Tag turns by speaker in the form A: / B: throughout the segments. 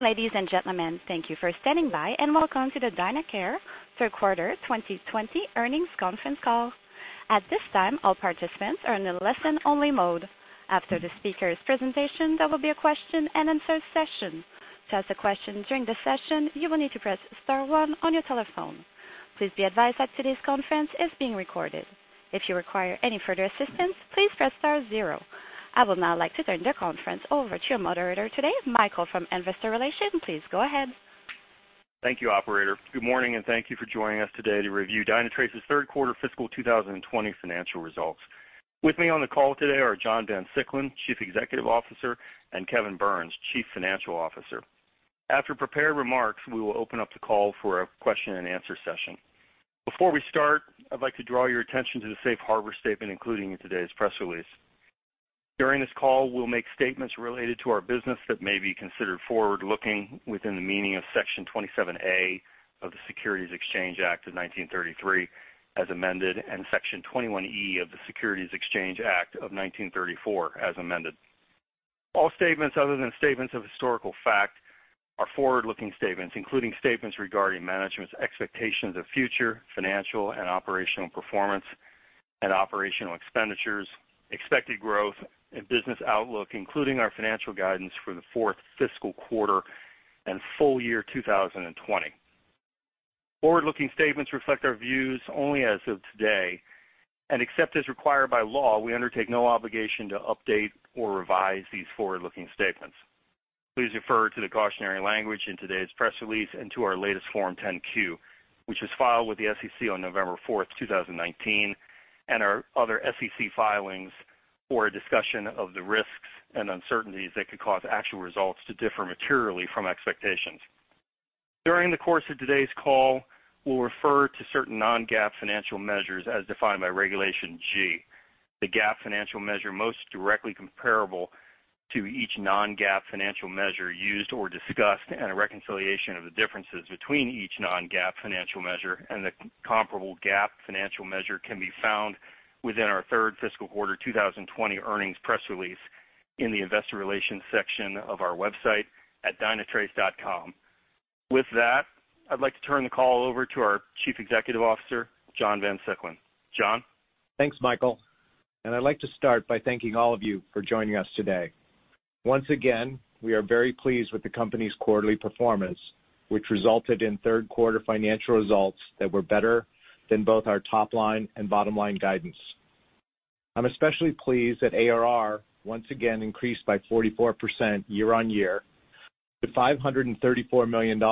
A: Ladies and gentlemen, thank you for standing by, and welcome to the Dynatrace third quarter 2020 earnings conference call. At this time, all participants are in a listen-only mode. After the speaker's presentation, there will be a question-and-answer session. To ask a question during the session, you will need to press star one on your telephone. Please be advised that today's conference is being recorded. If you require any further assistance, please press star zero. I would now like to turn the conference over to your moderator today, Michael from Investor Relations. Please go ahead.
B: Thank you, operator. Good morning, and thank you for joining us today to review Dynatrace's third quarter fiscal 2020 financial results. With me on the call today are John Van Siclen, Chief Executive Officer, and Kevin Burns, Chief Financial Officer. After prepared remarks, we will open up the call for a question-and-answer session. Before we start, I'd like to draw your attention to the safe harbor statement included in today's press release. During this call, we'll make statements related to our business that may be considered forward-looking within the meaning of Section 27A of the Securities Act of 1933, as amended, and Section 21E of the Securities Exchange Act of 1934, as amended. All statements other than statements of historical fact are forward-looking statements, including statements regarding management's expectations of future financial and operational performance and operational expenditures, expected growth and business outlook, including our financial guidance for the fourth fiscal quarter and full year 2020. Forward-looking statements reflect our views only as of today, and except as required by law, we undertake no obligation to update or revise these forward-looking statements. Please refer to the cautionary language in today's press release and to our latest Form 10-Q, which was filed with the SEC on November fourth, 2019, and our other SEC filings for a discussion of the risks and uncertainties that could cause actual results to differ materially from expectations. During the course of today's call, we'll refer to certain non-GAAP financial measures as defined by Regulation G. The GAAP financial measure most directly comparable to each non-GAAP financial measure used or discussed, and a reconciliation of the differences between each non-GAAP financial measure and the comparable GAAP financial measure can be found within our third fiscal quarter 2020 earnings press release in the investor relations section of our website at dynatrace.com. With that, I'd like to turn the call over to our Chief Executive Officer, John Van Siclen. John?
C: Thanks, Michael. I'd like to start by thanking all of you for joining us today. Once again, we are very pleased with the company's quarterly performance, which resulted in third-quarter financial results that were better than both our top-line and bottom-line guidance. I'm especially pleased that ARR once again increased by 44% year-on-year to $534 million,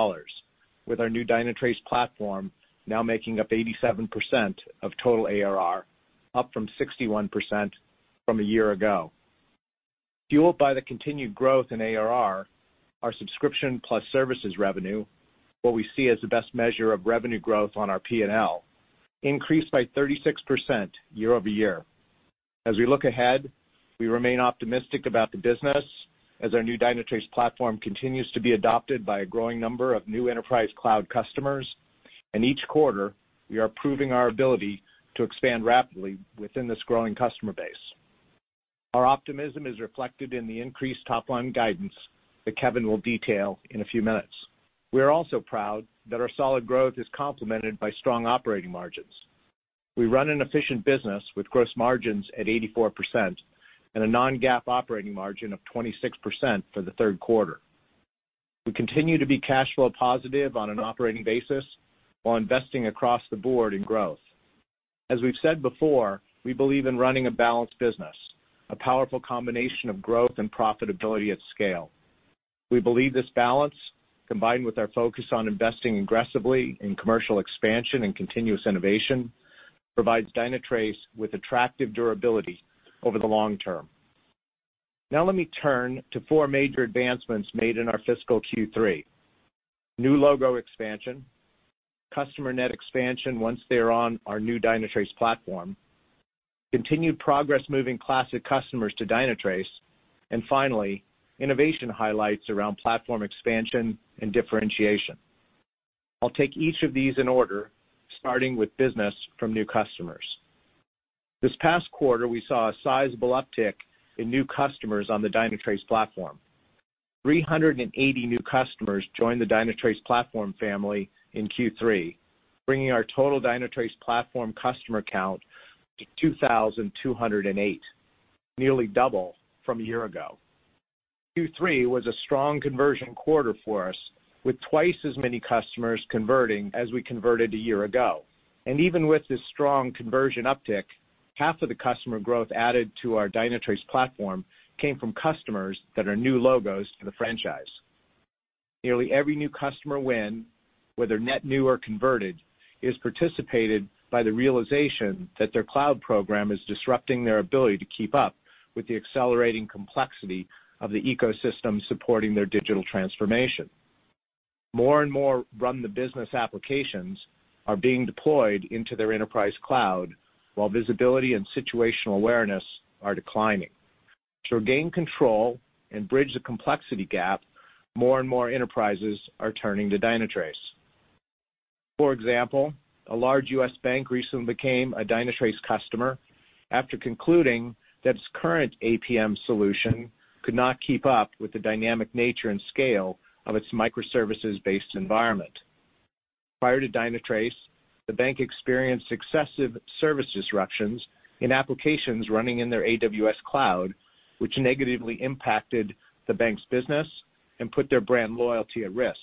C: with our new Dynatrace platform now making up 87% of total ARR, up from 61% from a year ago. Fueled by the continued growth in ARR, our subscription plus services revenue, what we see as the best measure of revenue growth on our P&L, increased by 36% year-over-year. As we look ahead, we remain optimistic about the business as our new Dynatrace platform continues to be adopted by a growing number of new enterprise cloud customers. In each quarter, we are proving our ability to expand rapidly within this growing customer base. Our optimism is reflected in the increased top-line guidance that Kevin will detail in a few minutes. We are also proud that our solid growth is complemented by strong operating margins. We run an efficient business with gross margins at 84% and a non-GAAP operating margin of 26% for the third quarter. We continue to be cash flow positive on an operating basis while investing across the board in growth. As we've said before, we believe in running a balanced business, a powerful combination of growth and profitability at scale. We believe this balance, combined with our focus on investing aggressively in commercial expansion and continuous innovation, provides Dynatrace with attractive durability over the long-term. Now let me turn to four major advancements made in our fiscal Q3. New logo expansion, customer net expansion once they are on our new Dynatrace platform, continued progress moving classic customers to Dynatrace, and finally, innovation highlights around platform expansion and differentiation. I'll take each of these in order, starting with business from new customers. This past quarter, we saw a sizable uptick in new customers on the Dynatrace platform. 380 new customers joined the Dynatrace platform family in Q3, bringing our total Dynatrace platform customer count to 2,208, nearly double from a year ago. Q3 was a strong conversion quarter for us, with twice as many customers converting as we converted a year ago. Even with this strong conversion uptick, half of the customer growth added to our Dynatrace platform came from customers that are new logos to the franchise. Nearly every new customer win, whether net new or converted, is precipitated by the realization that their cloud program is disrupting their ability to keep up with the accelerating complexity of the ecosystem supporting their digital transformation. More and more run-the-business applications are being deployed into their enterprise cloud while visibility and situational awareness are declining. To regain control and bridge the complexity gap, more and more enterprises are turning to Dynatrace. For example, a large U.S. bank recently became a Dynatrace customer after concluding that its current APM solution could not keep up with the dynamic nature and scale of its microservices-based environment. Prior to Dynatrace, the bank experienced successive service disruptions in applications running in their AWS cloud, which negatively impacted the bank's business and put their brand loyalty at risk.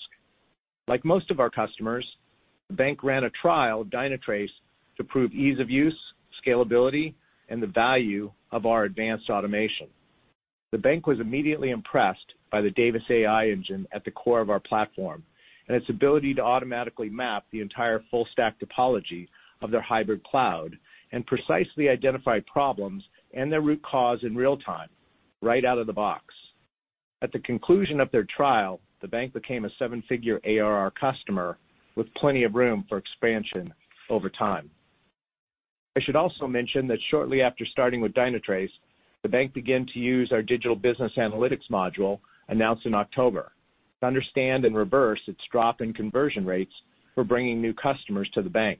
C: Like most of our customers, the bank ran a trial of Dynatrace to prove ease of use, scalability, and the value of our advanced automation. The bank was immediately impressed by the Davis AI engine at the core of our platform, and its ability to automatically map the entire full stack topology of their hybrid cloud and precisely identify problems and their root cause in real-time, right out of the box. At the conclusion of their trial, the bank became a seven-figure ARR customer with plenty of room for expansion over time. I should also mention that shortly after starting with Dynatrace, the bank began to use our Digital Business Analytics module announced in October to understand and reverse its drop in conversion rates for bringing new customers to the bank.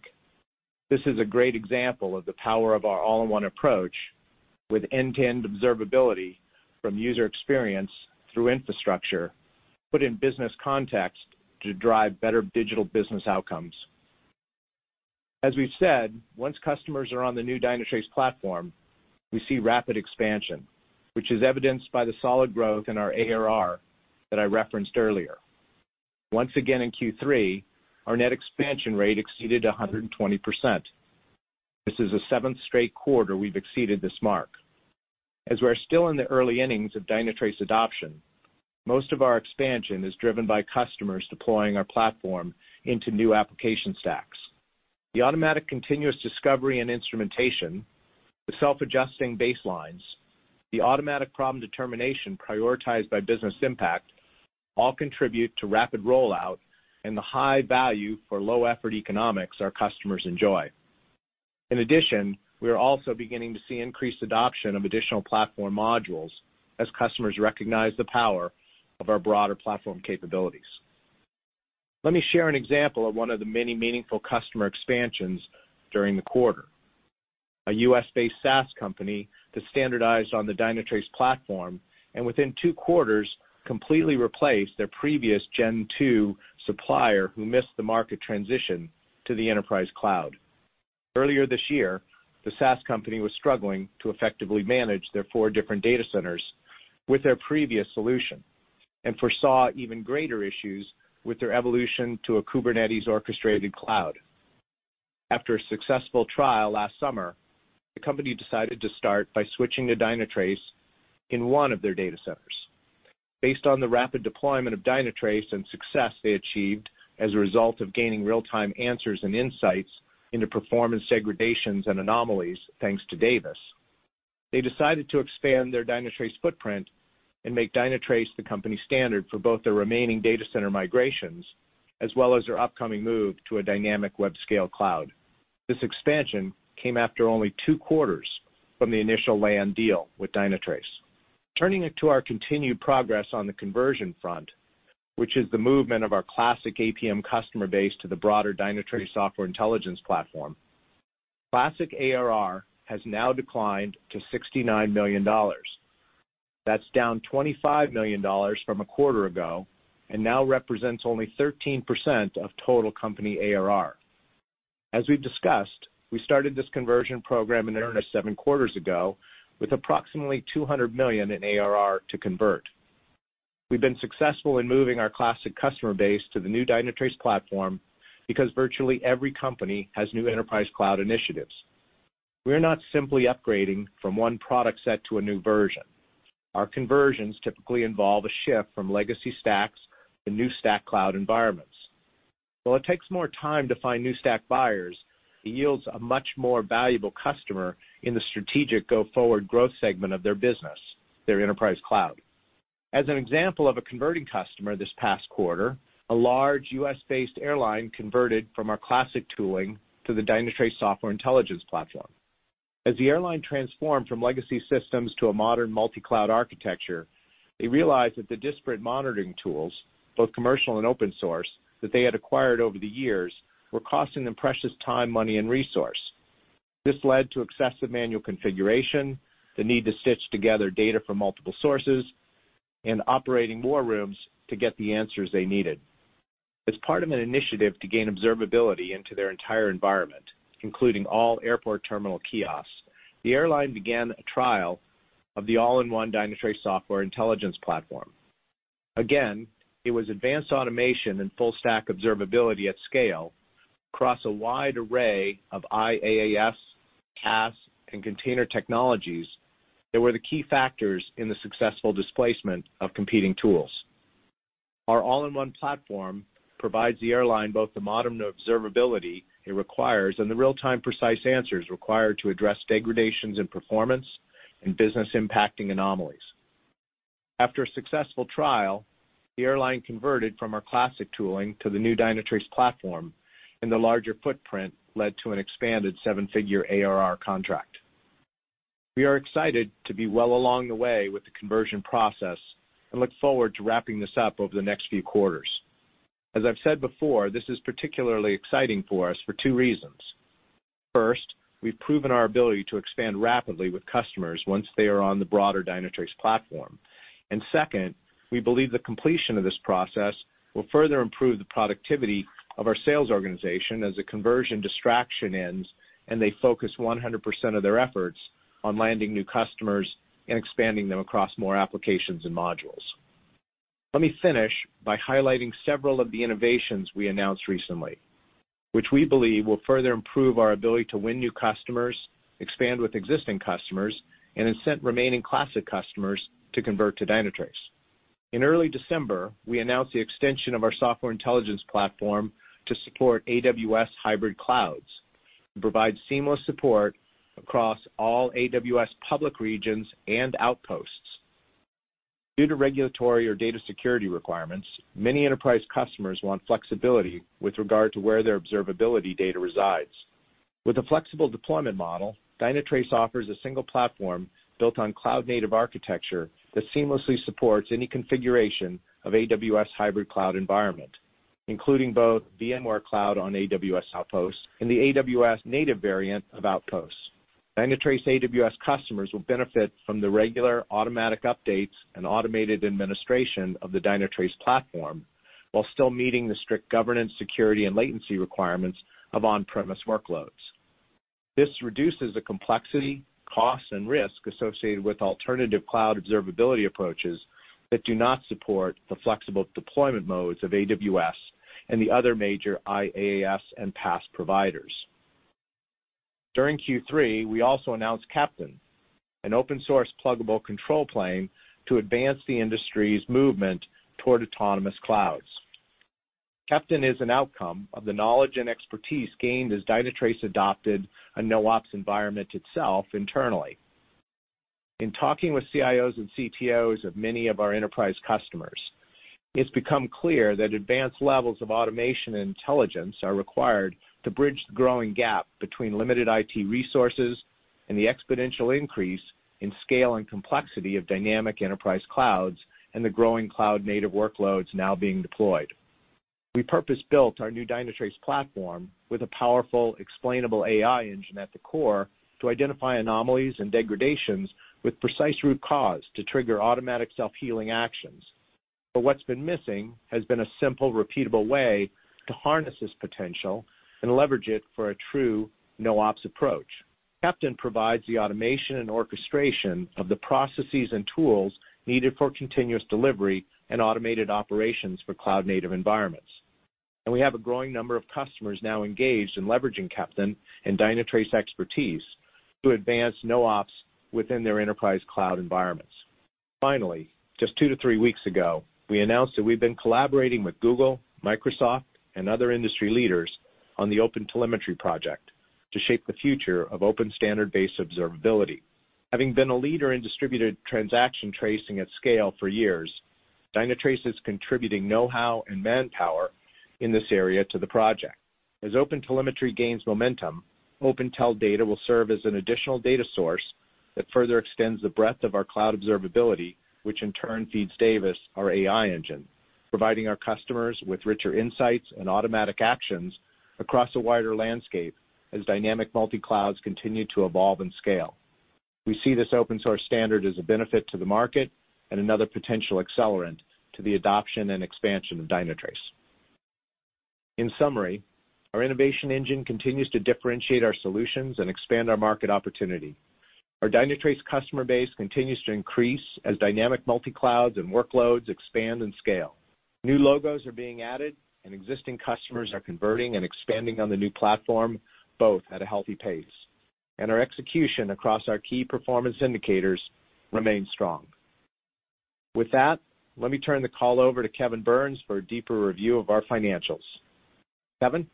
C: This is a great example of the power of our all-in-one approach with end-to-end observability from user experience through infrastructure, put in business context to drive better digital business outcomes. As we've said, once customers are on the new Dynatrace platform, we see rapid expansion, which is evidenced by the solid growth in our ARR that I referenced earlier. Once again, in Q3, our net expansion rate exceeded 120%. This is the seventh straight quarter we've exceeded this mark. As we are still in the early innings of Dynatrace adoption, most of our expansion is driven by customers deploying our platform into new application stacks. The automatic continuous discovery and instrumentation, the self-adjusting baselines, the automatic problem determination prioritized by business impact all contribute to rapid rollout and the high value for low effort economics our customers enjoy. In addition, we are also beginning to see increased adoption of additional platform modules as customers recognize the power of our broader platform capabilities. Let me share an example of one of the many meaningful customer expansions during the quarter. A U.S.-based SaaS company that standardized on the Dynatrace platform, and within two quarters, completely replaced their previous Gen 2 supplier who missed the market transition to the enterprise cloud. Earlier this year, the SaaS company was struggling to effectively manage their four different data centers with their previous solution and foresaw even greater issues with their evolution to a Kubernetes orchestrated cloud. After a successful trial last summer, the company decided to start by switching to Dynatrace in one of their data centers. Based on the rapid deployment of Dynatrace and success they achieved as a result of gaining real-time answers and insights into performance degradations and anomalies, thanks to Davis, they decided to expand their Dynatrace footprint and make Dynatrace the company standard for both their remaining data center migrations, as well as their upcoming move to a dynamic web scale cloud. This expansion came after only two quarters from the initial land deal with Dynatrace. Turning to our continued progress on the conversion front, which is the movement of our classic APM customer base to the broader Dynatrace software intelligence platform. Classic ARR has now declined to $69 million. That's down $25 million from a quarter ago and now represents only 13% of total company ARR. As we've discussed, we started this conversion program in earnest seven quarters ago with approximately $200 million in ARR to convert. We've been successful in moving our classic customer base to the new Dynatrace Platform because virtually every company has new enterprise cloud initiatives. We are not simply upgrading from one product set to a new version. Our conversions typically involve a shift from legacy stacks to new stack cloud environments. While it takes more time to find new stack buyers, it yields a much more valuable customer in the strategic go-forward growth segment of their business, their enterprise cloud. As an example of a converting customer this past quarter, a large U.S.-based airline converted from our classic tooling to the Dynatrace Software Intelligence Platform. As the airline transformed from legacy systems to a modern multi-cloud architecture, they realized that the disparate monitoring tools, both commercial and open source, that they had acquired over the years were costing them precious time, money, and resource. This led to excessive manual configuration, the need to stitch together data from multiple sources, and operating war rooms to get the answers they needed. As part of an initiative to gain observability into their entire environment, including all airport terminal kiosks, the airline began a trial of the all-in-one Dynatrace software intelligence platform. Again, it was advanced automation and full-stack observability at scale across a wide array of IaaS, PaaS, and container technologies that were the key factors in the successful displacement of competing tools. Our all-in-one platform provides the airline both the modern observability it requires and the real-time precise answers required to address degradations in performance and business-impacting anomalies. After a successful trial, the airline converted from our classic tooling to the new Dynatrace platform. The larger footprint led to an expanded seven-figure ARR contract. We are excited to be well along the way with the conversion process and look forward to wrapping this up over the next few quarters. As I've said before, this is particularly exciting for us for two reasons. First, we've proven our ability to expand rapidly with customers once they are on the broader Dynatrace platform. Second, we believe the completion of this process will further improve the productivity of our sales organization as the conversion distraction ends and they focus 100% of their efforts on landing new customers and expanding them across more applications and modules. Let me finish by highlighting several of the innovations we announced recently, which we believe will further improve our ability to win new customers, expand with existing customers, and incent remaining classic customers to convert to Dynatrace. In early December, we announced the extension of our software intelligence platform to support AWS hybrid clouds and provide seamless support across all AWS public regions and outposts. Due to regulatory or data security requirements, many enterprise customers want flexibility with regard to where their observability data resides. With a flexible deployment model, Dynatrace offers a single platform built on cloud-native architecture that seamlessly supports any configuration of AWS hybrid cloud environment, including both VMware Cloud on AWS Outposts and the AWS native variant of Outposts. Dynatrace AWS customers will benefit from the regular automatic updates and automated administration of the Dynatrace platform while still meeting the strict governance, security, and latency requirements of on-premise workloads. This reduces the complexity, cost, and risk associated with alternative cloud observability approaches that do not support the flexible deployment modes of AWS and the other major IaaS and PaaS providers. During Q3, we also announced Keptn, an open source pluggable control plane to advance the industry's movement toward autonomous clouds. Keptn is an outcome of the knowledge and expertise gained as Dynatrace adopted a NoOps environment itself internally. In talking with CIOs and CTOs of many of our enterprise customers, it's become clear that advanced levels of automation and intelligence are required to bridge the growing gap between limited IT resources and the exponential increase in scale and complexity of dynamic enterprise clouds and the growing cloud-native workloads now being deployed. We purpose-built our new Dynatrace platform with a powerful explainable AI engine at the core to identify anomalies and degradations with precise root cause to trigger automatic self-healing actions. What's been missing has been a simple, repeatable way to harness this potential and leverage it for a true NoOps approach. Keptn provides the automation and orchestration of the processes and tools needed for continuous delivery and automated operations for cloud-native environments. We have a growing number of customers now engaged in leveraging Keptn and Dynatrace expertise to advance NoOps within their enterprise cloud environments. Finally, just two to three weeks ago, we announced that we've been collaborating with Google, Microsoft, and other industry leaders on the OpenTelemetry project to shape the future of open standard-based observability. Having been a leader in distributed transaction tracing at scale for years, Dynatrace is contributing know-how and manpower in this area to the project. As OpenTelemetry gains momentum, OpenTel data will serve as an additional data source that further extends the breadth of our cloud observability, which in turn feeds Davis, our AI engine, providing our customers with richer insights and automatic actions across a wider landscape as dynamic multi-clouds continue to evolve and scale. We see this open-source standard as a benefit to the market and another potential accelerant to the adoption and expansion of Dynatrace. In summary, our innovation engine continues to differentiate our solutions and expand our market opportunity. Our Dynatrace customer base continues to increase as dynamic multi-clouds and workloads expand and scale. New logos are being added, and existing customers are converting and expanding on the new platform, both at a healthy pace. Our execution across our key performance indicators remains strong. With that, let me turn the call over to Kevin Burns for a deeper review of our financials. Kevin?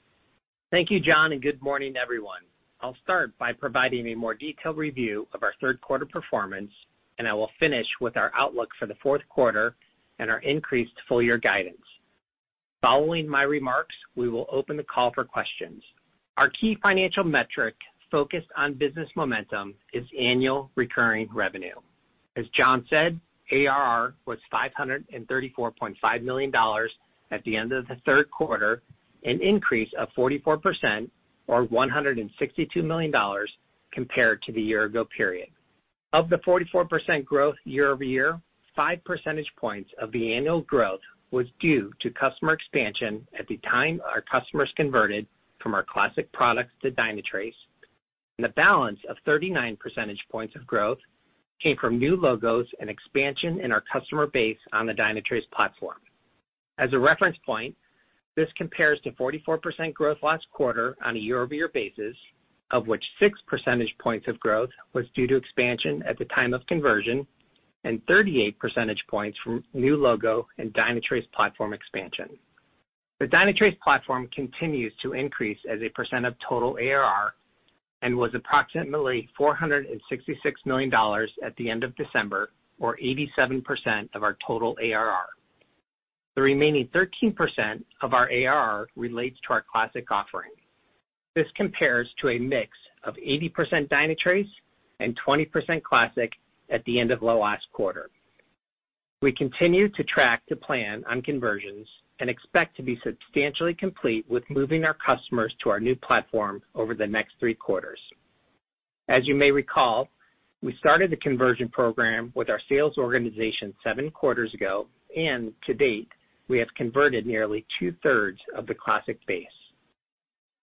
D: Thank you, John, and good morning, everyone. I'll start by providing a more detailed review of our third quarter performance, and I will finish with our outlook for the fourth quarter and our increased full-year guidance. Following my remarks, we will open the call for questions. Our key financial metric focused on business momentum is annual recurring revenue. As John said, ARR was $534.5 million at the end of the third quarter, an increase of 44%, or $162 million, compared to the year-ago period. Of the 44% growth year-over-year, 5 percentage points of the annual growth was due to customer expansion at the time our customers converted from our classic products to Dynatrace, and the balance of 39 percentage points of growth came from new logos and expansion in our customer base on the Dynatrace platform. As a reference point, this compares to 44% growth last quarter on a year-over-year basis, of which 6 percentage points of growth was due to expansion at the time of conversion and 38 percentage points from new logo and Dynatrace platform expansion. The Dynatrace platform continues to increase as a percent of total ARR and was approximately $466 million at the end of December, or 87% of our total ARR. The remaining 13% of our ARR relates to our classic offering. This compares to a mix of 80% Dynatrace and 20% classic at the end of last quarter. We continue to track to plan on conversions and expect to be substantially complete with moving our customers to our new platform over the next three quarters. As you may recall, we started the conversion program with our sales organization seven quarters ago, and to date, we have converted nearly two-thirds of the classic base.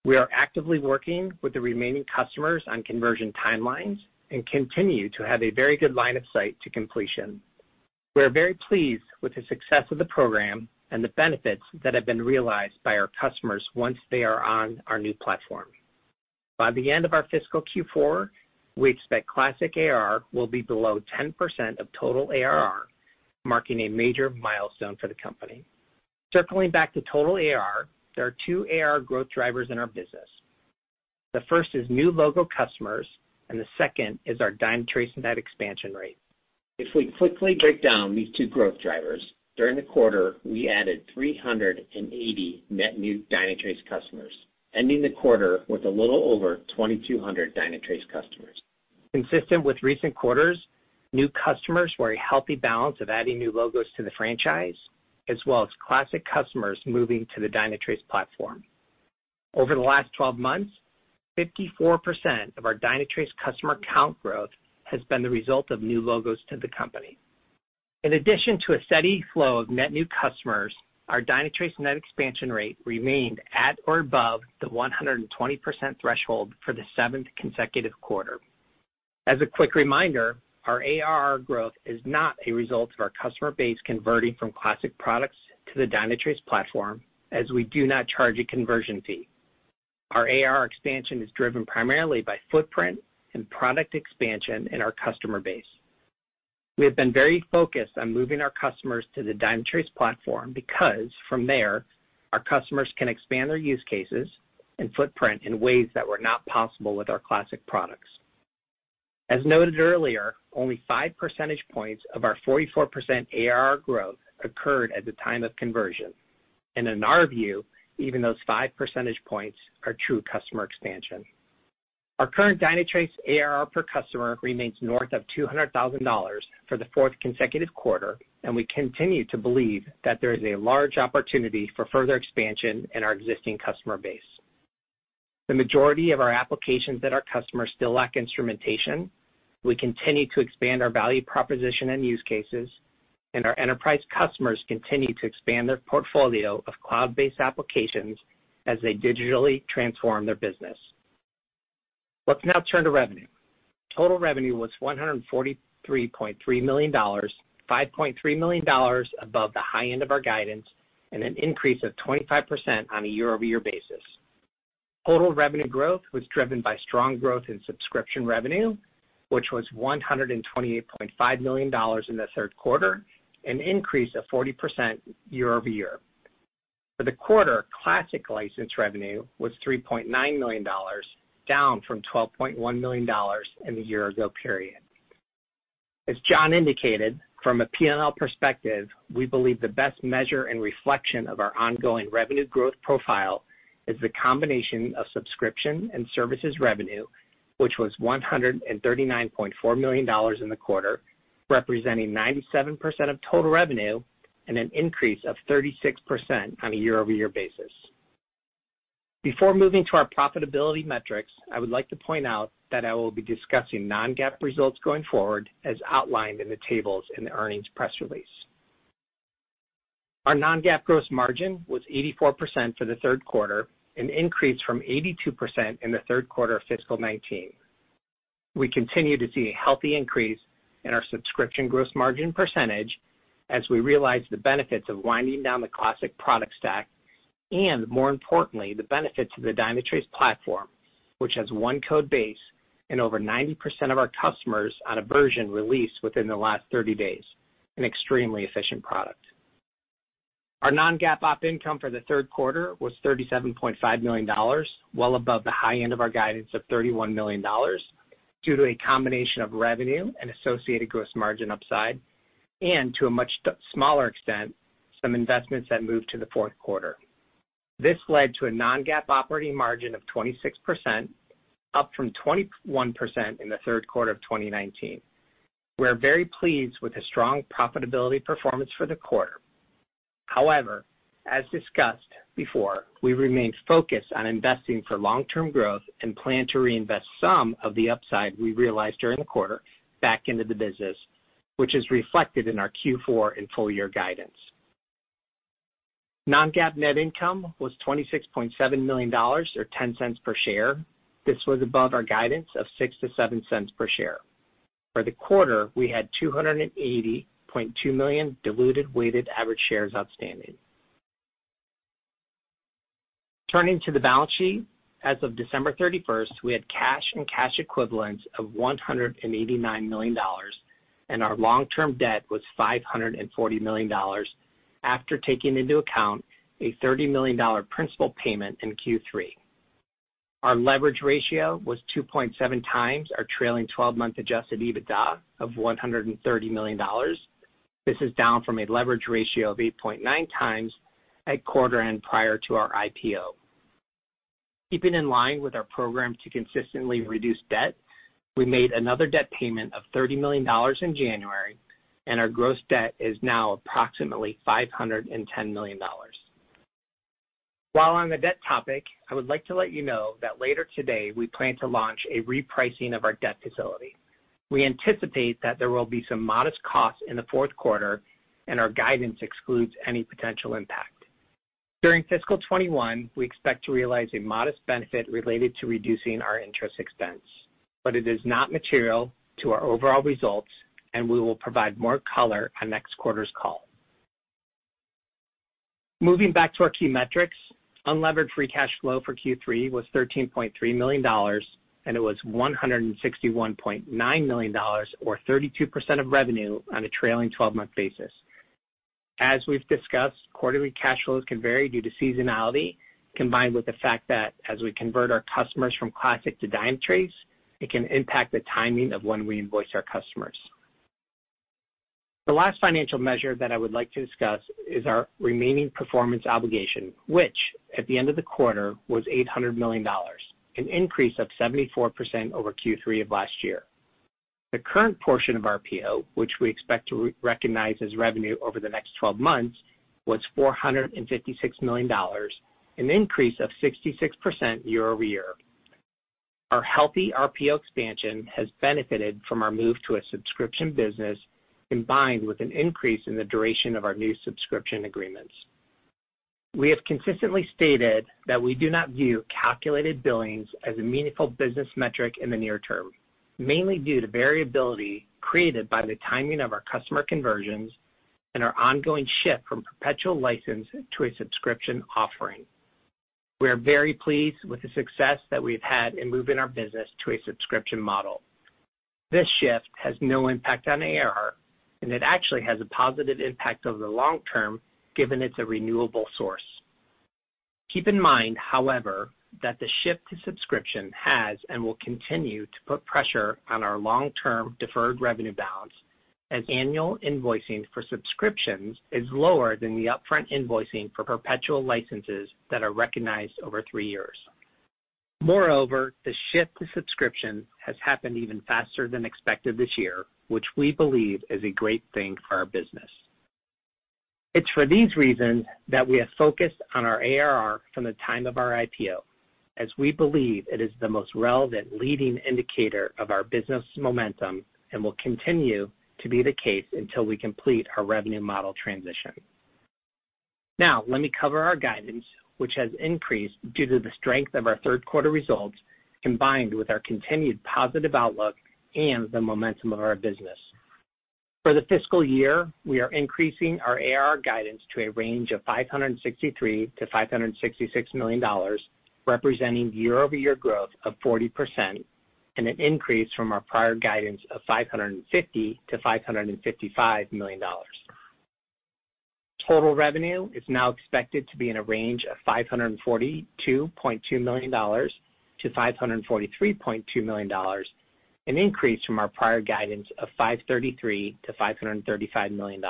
D: We are actively working with the remaining customers on conversion timelines and continue to have a very good line of sight to completion. We are very pleased with the success of the program and the benefits that have been realized by our customers once they are on our new platform. By the end of our fiscal Q4, we expect classic ARR will be below 10% of total ARR, marking a major milestone for the company. Circling back to total ARR, there are two ARR growth drivers in our business. The first is new logo customers, and the second is our Dynatrace net expansion rate. If we quickly break down these two growth drivers, during the quarter, we added 380 net new Dynatrace customers, ending the quarter with a little over 2,200 Dynatrace customers. Consistent with recent quarters, new customers were a healthy balance of adding new logos to the franchise, as well as classic customers moving to the Dynatrace platform. Over the last 12 months, 54% of our Dynatrace customer count growth has been the result of new logos to the company. In addition to a steady flow of net new customers, our Dynatrace net expansion rate remained at or above the 120% threshold for the seventh consecutive quarter. As a quick reminder, our ARR growth is not a result of our customer base converting from classic products to the Dynatrace platform, as we do not charge a conversion fee. Our ARR expansion is driven primarily by footprint and product expansion in our customer base. We have been very focused on moving our customers to the Dynatrace platform, because from there, our customers can expand their use cases and footprint in ways that were not possible with our classic products. As noted earlier, only 5 percentage points of our 44% ARR growth occurred at the time of conversion. In our view, even those 5 percentage points are true customer expansion. Our current Dynatrace ARR per customer remains north of $200,000 for the fourth consecutive quarter, and we continue to believe that there is a large opportunity for further expansion in our existing customer base. The majority of our applications at our customers still lack instrumentation. We continue to expand our value proposition and use cases, and our enterprise customers continue to expand their portfolio of cloud-based applications as they digitally transform their business. Let's now turn to revenue. Total revenue was $143.3 million, $5.3 million above the high end of our guidance, and an increase of 25% on a year-over-year basis. Total revenue growth was driven by strong growth in subscription revenue, which was $128.5 million in the third quarter, an increase of 40% year-over-year. For the quarter, classic license revenue was $3.9 million, down from $12.1 million in the year ago period. As John indicated, from a P&L perspective, we believe the best measure and reflection of our ongoing revenue growth profile is the combination of subscription and services revenue, which was $139.4 million in the quarter, representing 97% of total revenue and an increase of 36% on a year-over-year basis. Before moving to our profitability metrics, I would like to point out that I will be discussing non-GAAP results going forward as outlined in the tables in the earnings press release. Our non-GAAP gross margin was 84% for the third quarter, an increase from 82% in the third quarter of fiscal 2019. We continue to see a healthy increase in our subscription gross margin percentage as we realize the benefits of winding down the classic product stack and, more importantly, the benefits of the Dynatrace platform, which has one code base and over 90% of our customers on a version released within the last 30 days, an extremely efficient product. Our non-GAAP op income for the third quarter was $37.5 million, well above the high end of our guidance of $31 million, due to a combination of revenue and associated gross margin upside, and to a much smaller extent, some investments that moved to the fourth quarter. This led to a non-GAAP operating margin of 26%, up from 21% in the third quarter of 2019. We are very pleased with the strong profitability performance for the quarter. However, as discussed before, we remain focused on investing for long-term growth and plan to reinvest some of the upside we realized during the quarter back into the business, which is reflected in our Q4 and full-year guidance. Non-GAAP net income was $26.7 million, or $0.10 per share. This was above our guidance of $0.06-$0.07 per share. For the quarter, we had 280.2 million diluted weighted average shares outstanding. Turning to the balance sheet, as of December 31st, we had cash and cash equivalents of $189 million, and our long-term debt was $540 million after taking into account a $30 million principal payment in Q3. Our leverage ratio was 2.7x our trailing 12-month adjusted EBITDA of $130 million. This is down from a leverage ratio of 8.9x at quarter end prior to our IPO. Keeping in line with our program to consistently reduce debt, we made another debt payment of $30 million in January, and our gross debt is now approximately $510 million. While on the debt topic, I would like to let you know that later today, we plan to launch a repricing of our debt facility. We anticipate that there will be some modest costs in the fourth quarter, and our guidance excludes any potential impact. During fiscal 2021, we expect to realize a modest benefit related to reducing our interest expense. It is not material to our overall results, and we will provide more color on next quarter's call. Moving back to our key metrics, unlevered free cash flow for Q3 was $13.3 million, and it was $161.9 million, or 32% of revenue on a trailing 12-month basis. As we've discussed, quarterly cash flows can vary due to seasonality, combined with the fact that as we convert our customers from classic to Dynatrace, it can impact the timing of when we invoice our customers. The last financial measure that I would like to discuss is our remaining performance obligation, which at the end of the quarter was $800 million, an increase of 74% over Q3 of last year. The current portion of our RPO, which we expect to recognize as revenue over the next 12 months, was $456 million, an increase of 66% year-over-year. Our healthy RPO expansion has benefited from our move to a subscription business, combined with an increase in the duration of our new subscription agreements. We have consistently stated that we do not view calculated billings as a meaningful business metric in the near-term, mainly due to variability created by the timing of our customer conversions and our ongoing shift from perpetual license to a subscription offering. We are very pleased with the success that we've had in moving our business to a subscription model. This shift has no impact on ARR, and it actually has a positive impact over the long-term, given it's a renewable source. Keep in mind, however, that the shift to subscription has and will continue to put pressure on our long-term deferred revenue balance as annual invoicing for subscriptions is lower than the upfront invoicing for perpetual licenses that are recognized over three years. Moreover, the shift to subscription has happened even faster than expected this year, which we believe is a great thing for our business. It's for these reasons that we have focused on our ARR from the time of our IPO, as we believe it is the most relevant leading indicator of our business momentum and will continue to be the case until we complete our revenue model transition. Now let me cover our guidance, which has increased due to the strength of our third quarter results, combined with our continued positive outlook and the momentum of our business. For the fiscal year, we are increasing our ARR guidance to a range of $563 million-$566 million, representing year-over-year growth of 40% and an increase from our prior guidance of $550 million-$555 million. Total revenue is now expected to be in a range of $542.2 million-$543.2 million, an increase from our prior guidance of $533 million-$535 million.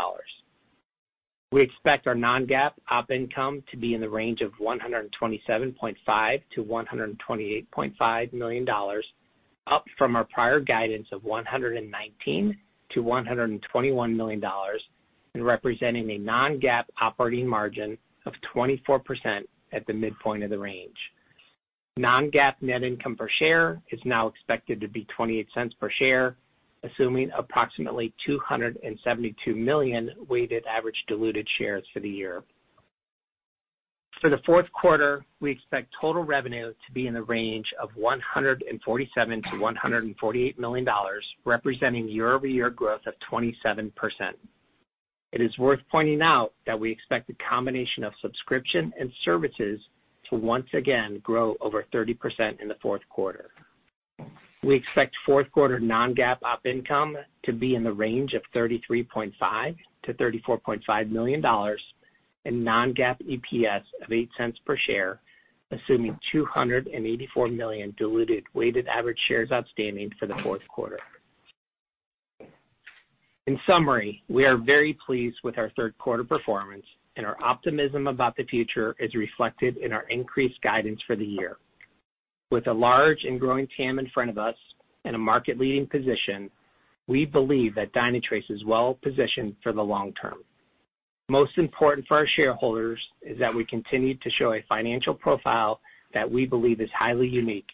D: We expect our non-GAAP op income to be in the range of $127.5 million-$128.5 million, up from our prior guidance of $119 million-$121 million and representing a non-GAAP operating margin of 24% at the midpoint of the range. Non-GAAP net income per share is now expected to be $0.28 per share, assuming approximately 272 million weighted average diluted shares for the year. For the fourth quarter, we expect total revenue to be in the range of $147 million-$148 million, representing year-over-year growth of 27%. It is worth pointing out that we expect the combination of subscription and services to once again grow over 30% in the fourth quarter. We expect fourth quarter non-GAAP op income to be in the range of $33.5 million-$34.5 million and non-GAAP EPS of $0.08 per share, assuming 284 million diluted weighted average shares outstanding for the fourth quarter. In summary, we are very pleased with our third quarter performance, and our optimism about the future is reflected in our increased guidance for the year. With a large and growing TAM in front of us and a market-leading position, we believe that Dynatrace is well positioned for the long-term. Most important for our shareholders is that we continue to show a financial profile that we believe is highly unique,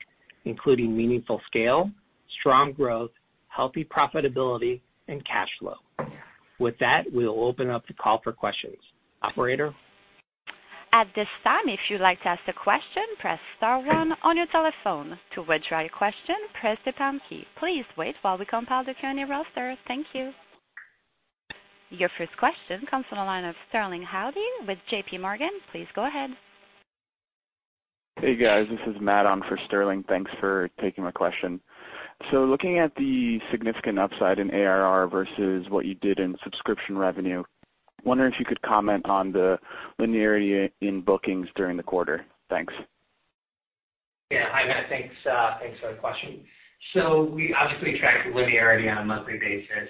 D: including meaningful scale, strong growth, healthy profitability, and cash flow. With that, we'll open up the call for questions. Operator?
A: At this time, if you'd like to ask a question, press star one on your telephone. To withdraw your question, press the pound key. Please wait while we compile the current roster. Thank you. Your first question comes from the line of Sterling Auty with JPMorgan. Please go ahead.
E: Hey, guys, this is Matt on for Sterling. Thanks for taking my question. Looking at the significant upside in ARR versus what you did in subscription revenue, wondering if you could comment on the linearity in bookings during the quarter. Thanks.
D: Yeah. Hi, Matt. Thanks for the question. We obviously track the linearity on a monthly basis.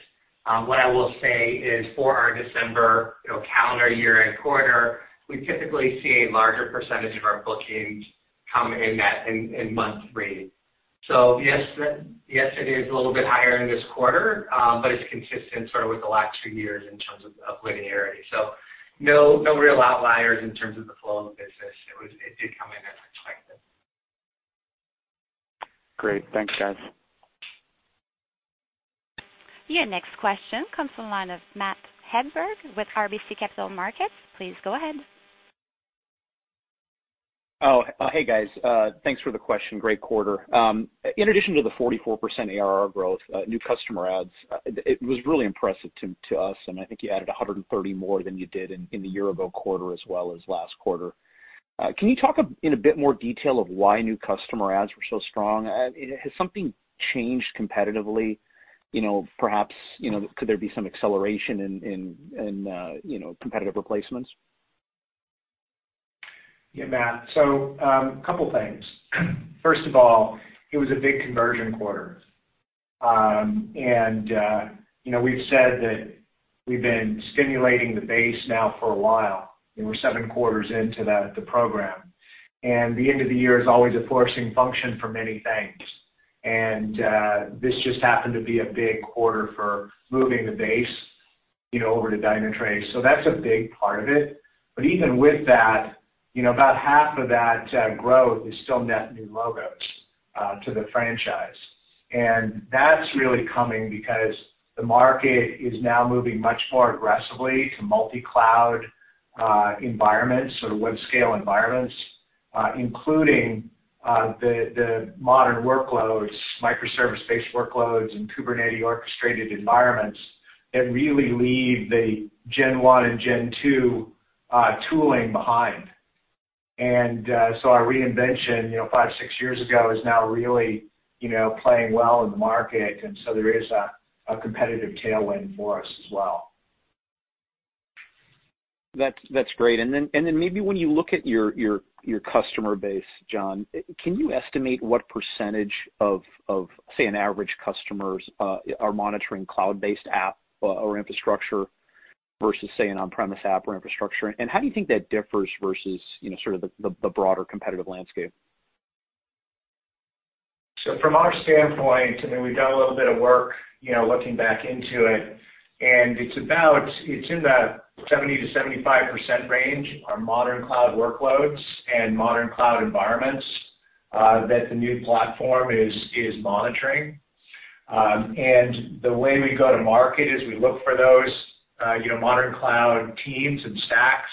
D: What I will say is for our December calendar year-end quarter, we typically see a larger percentage of our bookings come in month three. Yes, it is a little bit higher in this quarter, but it's consistent sort of with the last few years in terms of linearity. No real outliers in terms of the flow of the business. It did come in as expected.
E: Great. Thanks, guys.
A: Your next question comes from the line of Matt Hedberg with RBC Capital Markets. Please go ahead.
F: Oh, hey, guys. Thanks for the question. Great quarter. In addition to the 44% ARR growth, new customer adds, it was really impressive to us, and I think you added 130 more than you did in the year-ago quarter as well as last quarter. Can you talk in a bit more detail of why new customer adds were so strong? Has something changed competitively? Perhaps, could there be some acceleration in competitive replacements?
C: Matt. Couple things. First of all, it was a big conversion quarter. We've said that we've been stimulating the base now for a while, and we're seven quarters into the program. The end of the year is always a forcing function for many things. This just happened to be a big quarter for moving the base over to Dynatrace. That's a big part of it. Even with that, about half of that growth is still net new logos to the franchise. That's really coming because the market is now moving much more aggressively to multi-cloud environments, sort of web scale environments, including the modern workloads, microservice-based workloads, and Kubernetes orchestrated environments that really leave the Gen 1 and Gen 2 tooling behind. Our reinvention five, six years ago is now really playing well in the market. There is a competitive tailwind for us as well.
F: That's great. Then maybe when you look at your customer base, John, can you estimate what percentage of, say, an average customers are monitoring cloud-based app or infrastructure versus, say, an on-premise app or infrastructure? How do you think that differs versus sort of the broader competitive landscape?
C: From our standpoint, I mean, we've done a little bit of work looking back into it's in the 70%-75% range are modern cloud workloads and modern cloud environments that the new platform is monitoring. The way we go-to-market is we look for those modern cloud teams and stacks,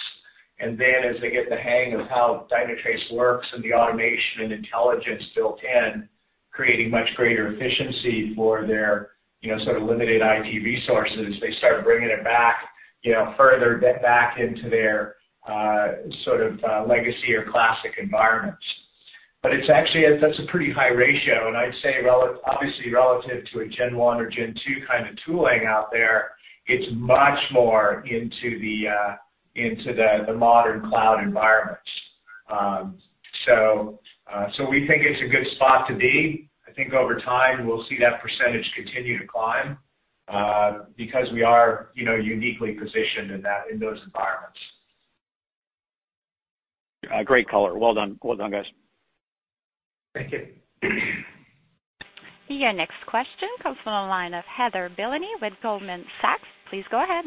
C: then as they get the hang of how Dynatrace works and the automation and intelligence built in, creating much greater efficiency for their sort of limited IT resources, they start bringing it back further back into their sort of legacy or classic environments. It's actually, that's a pretty high ratio, I'd say, obviously relative to a Gen 1 or Gen 2 kind of tooling out there, it's much more into the modern cloud environments. We think it's a good spot to be. I think over time, we'll see that percentage continue to climb, because we are uniquely positioned in those environments.
F: Great color. Well done. Well done, guys.
C: Thank you.
A: Your next question comes from the line of Heather Bellini with Goldman Sachs. Please go ahead.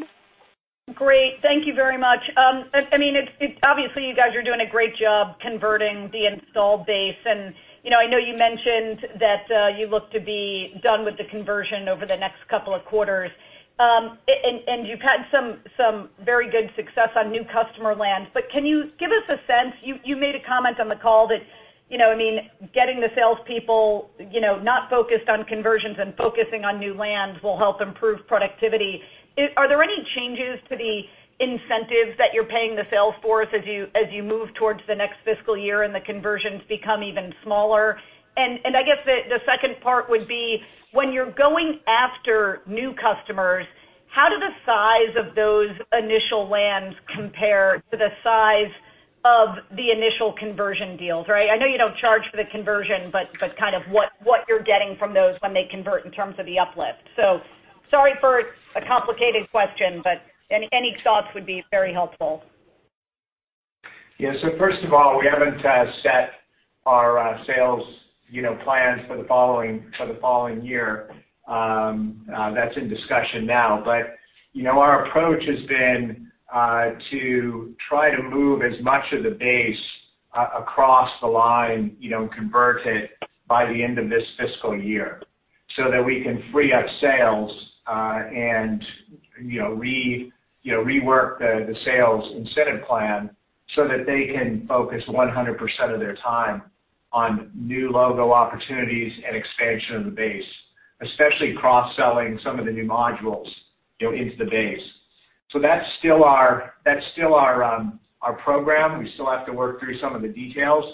G: Great. Thank you very much. Obviously, you guys are doing a great job converting the install base. I know you mentioned that you look to be done with the conversion over the next couple of quarters. You've had some very good success on new customer lands. Can you give us a sense, you made a comment on the call that getting the salespeople not focused on conversions and focusing on new lands will help improve productivity. Are there any changes to the incentives that you're paying the sales force as you move towards the next fiscal year and the conversions become even smaller? I guess the second part would be when you're going after new customers, how do the size of those initial lands compare to the size of the initial conversion deals, right? I know you don't charge for the conversion, but kind of what you're getting from those when they convert in terms of the uplift. Sorry for a complicated question, but any thoughts would be very helpful.
C: First of all, we haven't set our sales plans for the following year. That's in discussion now. Our approach has been to try to move as much of the base across the line, convert it by the end of this fiscal year so that we can free up sales, and rework the sales incentive plan so that they can focus 100% of their time on new logo opportunities and expansion of the base, especially cross-selling some of the new modules into the base. That's still our program. We still have to work through some of the details,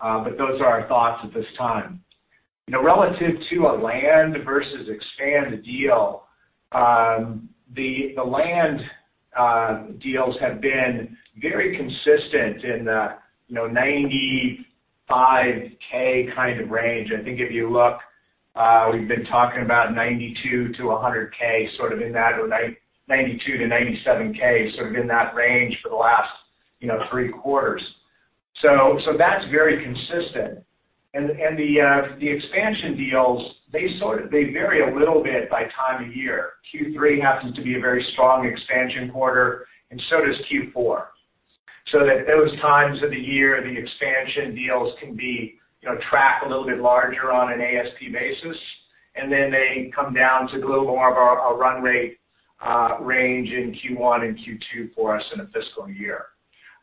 C: but those are our thoughts at this time. Relative to a land versus expand deal, the land deals have been very consistent in the $95,000 kind of range. I think if you look, we've been talking about $92,000-$100,000 sort of in that, or $92,000-$97,000, sort of in that range for the last three quarters. That's very consistent. The expansion deals, they vary a little bit by time of year. Q3 happens to be a very strong expansion quarter, and so does Q4. That those times of the year, the expansion deals can be tracked a little bit larger on an ASP basis, and then they come down to a little more of a run rate range in Q1 and Q2 for us in a fiscal year.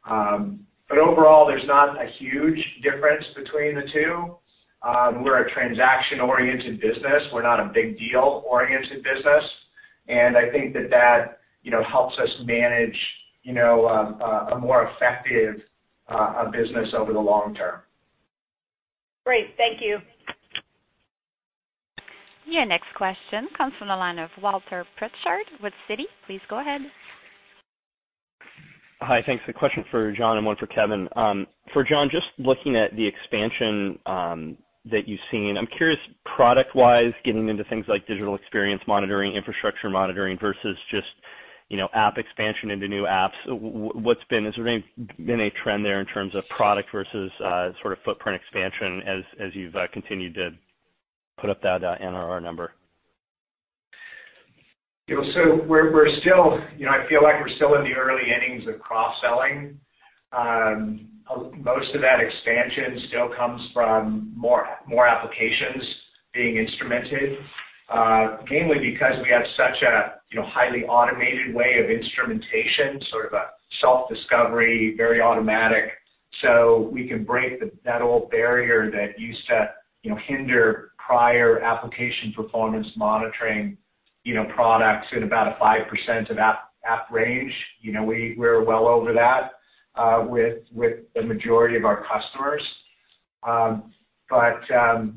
C: Overall, there's not a huge difference between the two. We're a transaction-oriented business. We're not a big deal-oriented business, and I think that that helps us manage a more effective business over the long-term.
G: Great. Thank you.
A: Your next question comes from the line of Walter Pritchard with Citi. Please go ahead.
H: Hi. Thanks. A question for John and one for Kevin. For John, just looking at the expansion that you've seen, I'm curious product-wise, getting into things like digital experience monitoring, infrastructure monitoring, versus just app expansion into new apps. Has there been a trend there in terms of product versus sort of footprint expansion as you've continued to put up that NRR number?
C: I feel like we're still in the early innings of cross-selling. Most of that expansion still comes from more applications being instrumented, mainly because we have such a highly automated way of instrumentation, sort of a self-discovery, very automatic. We can break that old barrier that used to hinder prior application performance monitoring products at about a 5% of app range. We're well over that with the majority of our customers.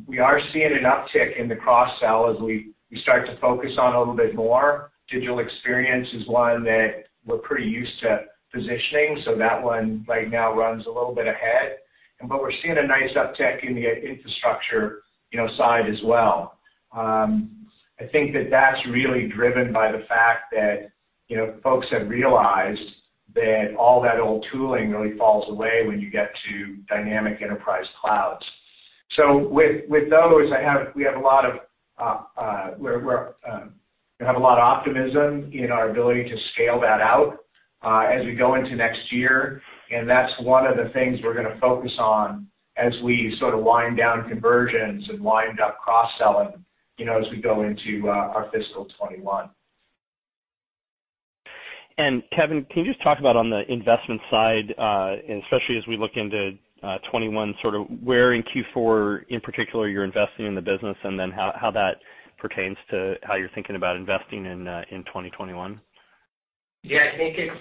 C: We are seeing an uptick in the cross-sell as we start to focus on a little bit more. Digital experience is one that we're pretty used to positioning, so that one right now runs a little bit ahead. We're seeing a nice uptick in the infrastructure side as well. I think that that's really driven by the fact that folks have realized that all that old tooling really falls away when you get to dynamic enterprise clouds. With those, we have a lot of optimism in our ability to scale that out as we go into next year, and that's one of the things we're going to focus on as we sort of wind down conversions and wind up cross-selling as we go into our fiscal 2021.
H: Kevin, can you just talk about on the investment side, and especially as we look into 2021, sort of where in Q4 in particular you're investing in the business, and then how that pertains to how you're thinking about investing in 2021?
D: Yeah, I think it's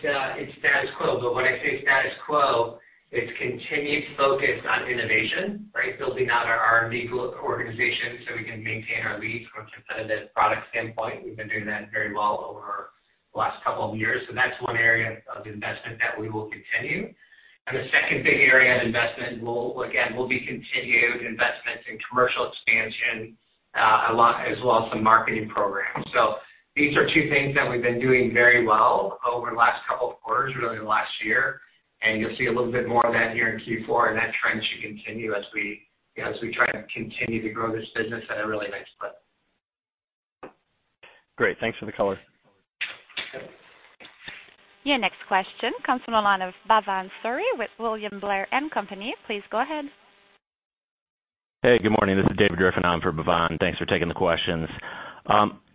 D: status quo. When I say status quo, it's continued focus on innovation, right? Building out our R&D organization so we can maintain our lead from a competitive product standpoint. We've been doing that very well over the last couple of years. That's one area of investment that we will continue. The second big area of investment, again, will be continued investments in commercial expansion, as well as some marketing programs. These are two things that we've been doing very well over the last couple of quarters, really the last year, and you'll see a little bit more of that here in Q4, and that trend should continue as we try to continue to grow this business at a really nice clip.
H: Great. Thanks for the color.
A: Your next question comes from the line of Bhavan Suri with William Blair & Company. Please go ahead.
I: Hey, good morning. This is David Griffin on for Bhavan. Thanks for taking the questions.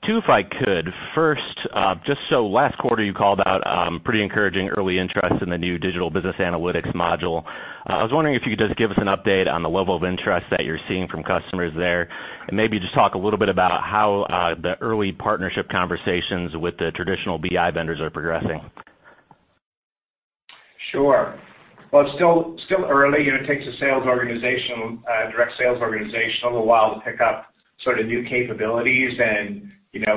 I: Two, if I could. First, just so last quarter you called out pretty encouraging early interest in the new Digital Business Analytics module. I was wondering if you could just give us an update on the level of interest that you're seeing from customers there, and maybe just talk a little bit about how the early partnership conversations with the traditional BI vendors are progressing.
C: Sure. Well, it's still early. It takes a direct sales organization a little while to pick up sort of new capabilities and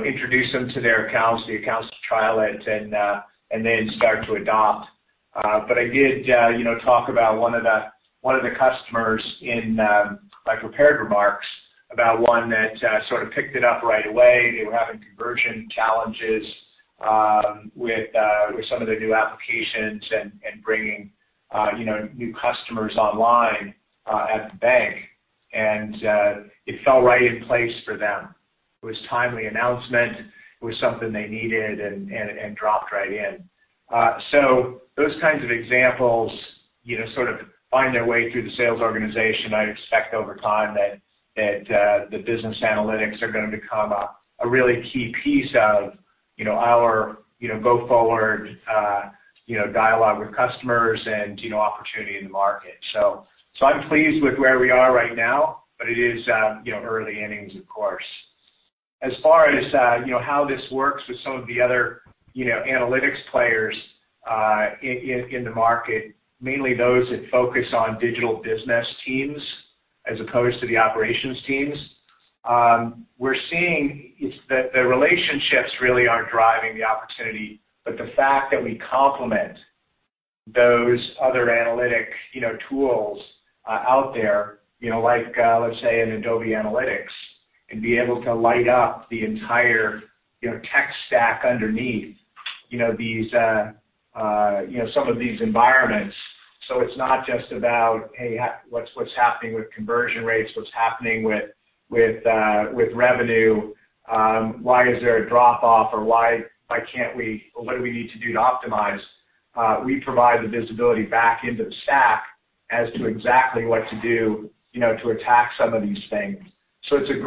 C: introduce them to their accounts, the accounts to trial it, and then start to adopt. I did talk about one of the customers in my prepared remarks, about one that sort of picked it up right away. They were having conversion challenges with some of their new applications and bringing new customers online at the bank, and it fell right in place for them. It was timely announcement, it was something they needed, and dropped right in. Those kinds of examples sort of find their way through the sales organization. I expect over time that the business analytics are going to become a really key piece of our go-forward dialogue with customers and opportunity in the market. I'm pleased with where we are right now, but it is early innings, of course. As far as how this works with some of the other analytics players in the market, mainly those that focus on digital business teams as opposed to the operations teams, we're seeing it's that the relationships really are driving the opportunity, but the fact that we complement those other analytic tools out there, like let's say an Adobe Analytics, and be able to light up the entire tech stack underneath some of these environments. It's not just about, hey, what's happening with conversion rates? What's happening with revenue? Why is there a drop-off or what do we need to do to optimize? We provide the visibility back into the stack as to exactly what to do to attack some of these things. It's a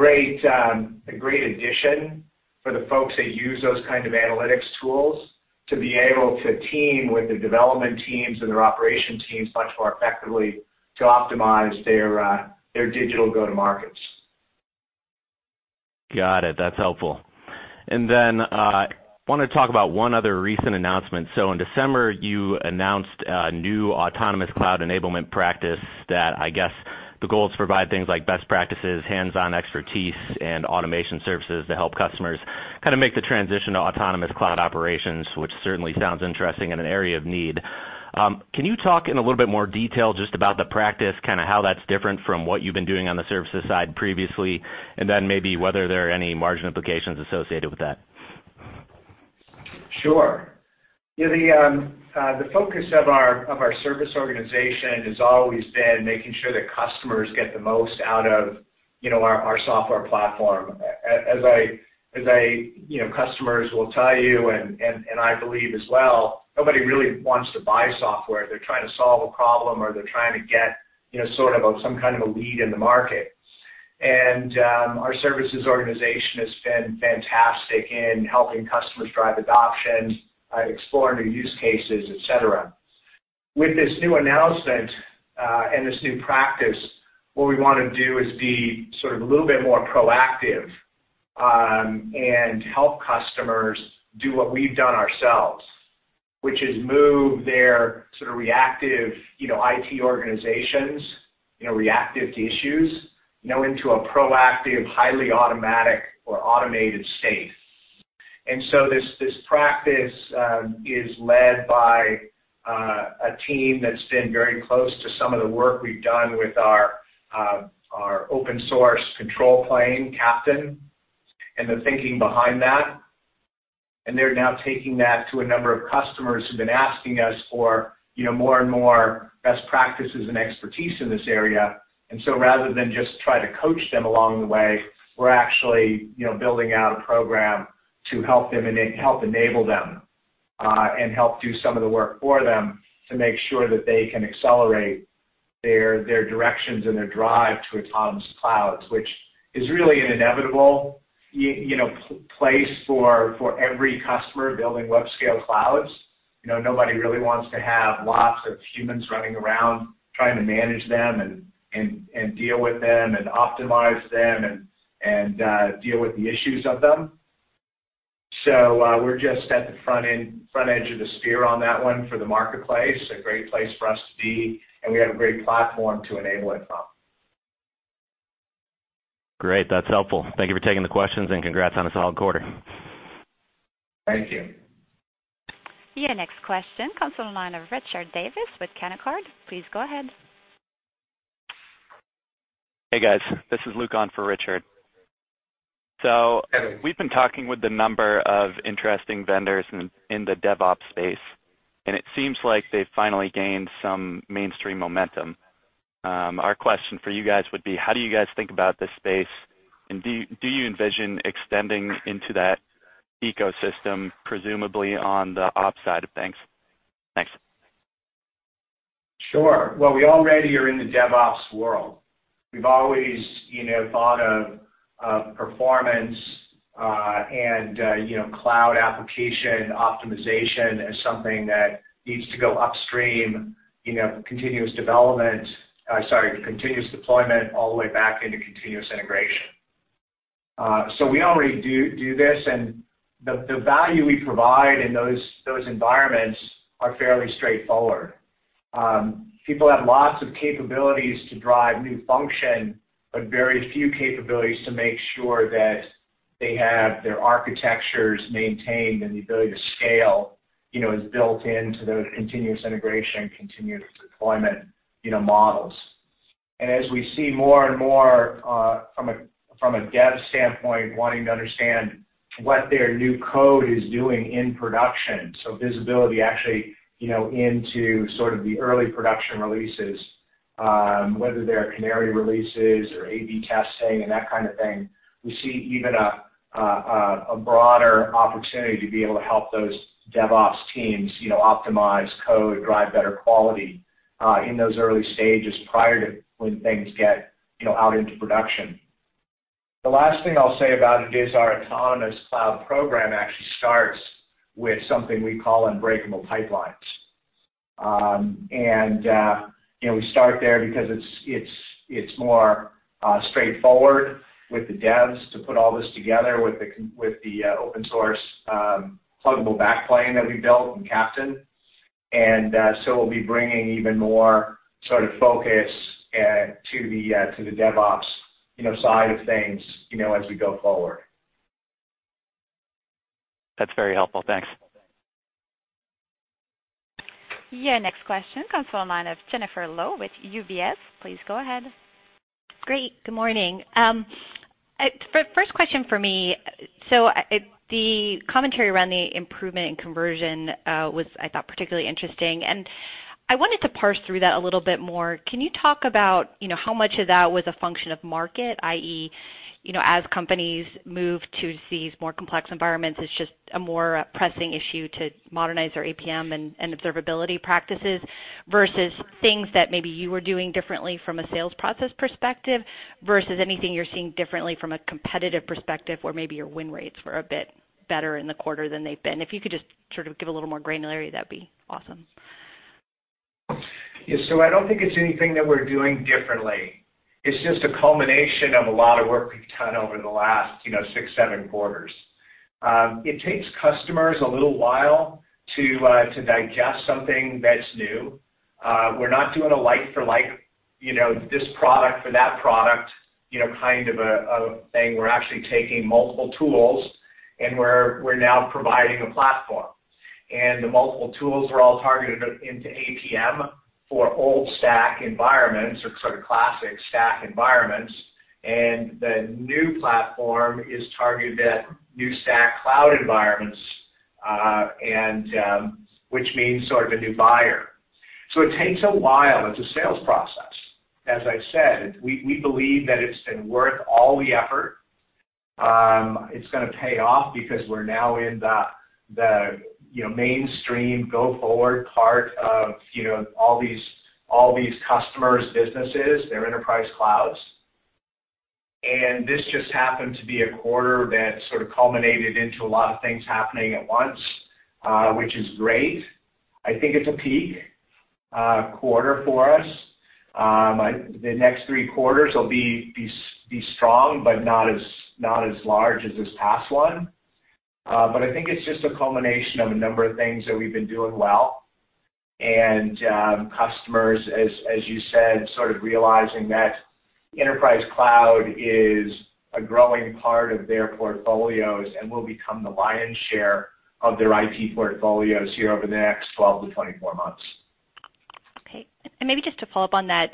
C: great addition for the folks that use those kind of analytics tools to be able to team with the development teams and their operations teams much more effectively to optimize their digital go-to-markets.
I: Got it. That's helpful. I want to talk about one other recent announcement. In December, you announced a new autonomous cloud enablement practice that I guess the goal is to provide things like best practices, hands-on expertise, and automation services to help customers make the transition to autonomous cloud operations, which certainly sounds interesting and an area of need. Can you talk in a little bit more detail just about the practice, how that's different from what you've been doing on the services side previously, and then maybe whether there are any margin implications associated with that?
C: Sure. The focus of our service organization has always been making sure that customers get the most out of our software platform. As customers will tell you, and I believe as well, nobody really wants to buy software. They're trying to solve a problem, or they're trying to get some kind of a lead in the market. Our services organization has been fantastic in helping customers drive adoption, explore new use cases, et cetera. With this new announcement, and this new practice, what we want to do is be a little bit more proactive, and help customers do what we've done ourselves, which is move their reactive IT organizations, reactive to issues, now into a proactive, highly automatic or automated state. This practice is led by a team that's been very close to some of the work we've done with our open-source control plane Keptn and the thinking behind that. They're now taking that to a number of customers who've been asking us for more and more best practices and expertise in this area. Rather than just try to coach them along the way, we're actually building out a program to help enable them, and help do some of the work for them to make sure that they can accelerate their directions and their drive to autonomous clouds, which is really an inevitable place for every customer building web-scale clouds. Nobody really wants to have lots of humans running around trying to manage them and deal with them and optimize them and deal with the issues of them. We're just at the front edge of the spear on that one for the marketplace, a great place for us to be, and we have a great platform to enable it from.
I: Great. That's helpful. Thank you for taking the questions, and congrats on a solid quarter.
C: Thank you.
A: Your next question comes on the line of Richard Davis with Canaccord. Please go ahead.
J: Hey, guys. This is Luke on for Richard.
C: Okay.
J: We've been talking with a number of interesting vendors in the DevOps space, and it seems like they've finally gained some mainstream momentum. Our question for you guys would be, how do you guys think about this space, and do you envision extending into that ecosystem, presumably on the ops side of things? Thanks.
C: Sure. Well, we already are in the DevOps world. We've always thought of performance and cloud application optimization as something that needs to go upstream, continuous deployment all the way back into continuous integration. We already do this, and the value we provide in those environments are fairly straightforward. People have lots of capabilities to drive new function, but very few capabilities to make sure that they have their architectures maintained and the ability to scale is built into those continuous integration, continuous deployment models. As we see more and more from a dev standpoint wanting to understand what their new code is doing in production, so visibility actually into sort of the early production releases, whether they're canary releases or AB testing and that kind of thing, we see even a broader opportunity to be able to help those DevOps teams optimize code, drive better quality, in those early stages prior to when things get out into production. The last thing I'll say about it is our autonomous cloud program actually with something we call unbreakable pipelines. we start there because it's more straightforward with the devs to put all this together with the open source pluggable back plane that we built in Keptn. we'll be bringing even more sort of focus to the DevOps side of things as we go forward.
J: That's very helpful. Thanks.
A: Your next question comes from the line of Jennifer Lowe with UBS. Please go ahead.
K: Great. Good morning. First question for me, so the commentary around the improvement in conversion was, I thought, particularly interesting, and I wanted to parse through that a little bit more. Can you talk about how much of that was a function of market, i.e., as companies move to these more complex environments, it's just a more pressing issue to modernize their APM and observability practices versus things that maybe you were doing differently from a sales process perspective, versus anything you're seeing differently from a competitive perspective where maybe your win rates were a bit better in the quarter than they've been? If you could just sort of give a little more granularity, that'd be awesome.
C: Yeah. I don't think it's anything that we're doing differently. It's just a culmination of a lot of work we've done over the last six, seven quarters. It takes customers a little while to digest something that's new. We're not doing a like for like, this product for that product kind of a thing. We're actually taking multiple tools and we're now providing a platform, and the multiple tools are all targeted into APM for old stack environments or sort of classic stack environments. The new platform is targeted at new stack cloud environments, which means sort of a new buyer. It takes a while. It's a sales process. As I've said, we believe that it's been worth all the effort. It's going to pay off because we're now in the mainstream go-forward part of all these customers' businesses, their enterprise clouds, and this just happened to be a quarter that sort of culminated into a lot of things happening at once, which is great. I think it's a peak quarter for us. The next three quarters will be strong, but not as large as this past one. I think it's just a culmination of a number of things that we've been doing well. Customers, as you said, sort of realizing that enterprise cloud is a growing part of their portfolios and will become the lion's share of their IT portfolios here over the next 12-24 months.
K: Okay. Maybe just to follow-up on that.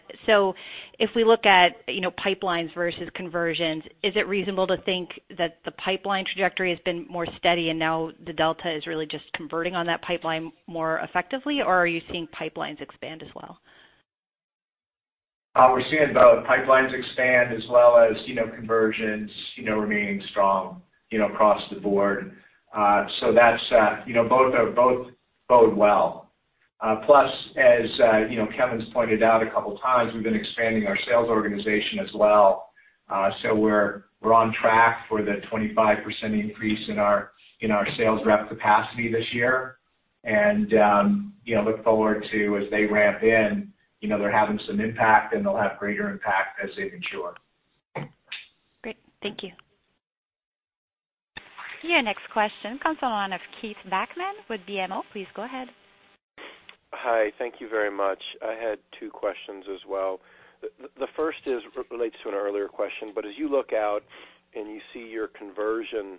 K: If we look at pipelines versus conversions, is it reasonable to think that the pipeline trajectory has been more steady and now the delta is really just converting on that pipeline more effectively, or are you seeing pipelines expand as well?
C: We're seeing both pipelines expand as well as conversions remaining strong across the board. Both bode well. Plus, as Kevin's pointed out a couple of times, we've been expanding our sales organization as well. We're on track for the 25% increase in our sales rep capacity this year. Look forward to as they ramp in, they're having some impact, and they'll have greater impact as they mature.
K: Great. Thank you.
A: Your next question comes on of Keith Bachman with BMO. Please go ahead.
L: Hi. Thank you very much. I had two questions as well. The first relates to an earlier question, but as you look out and you see your conversion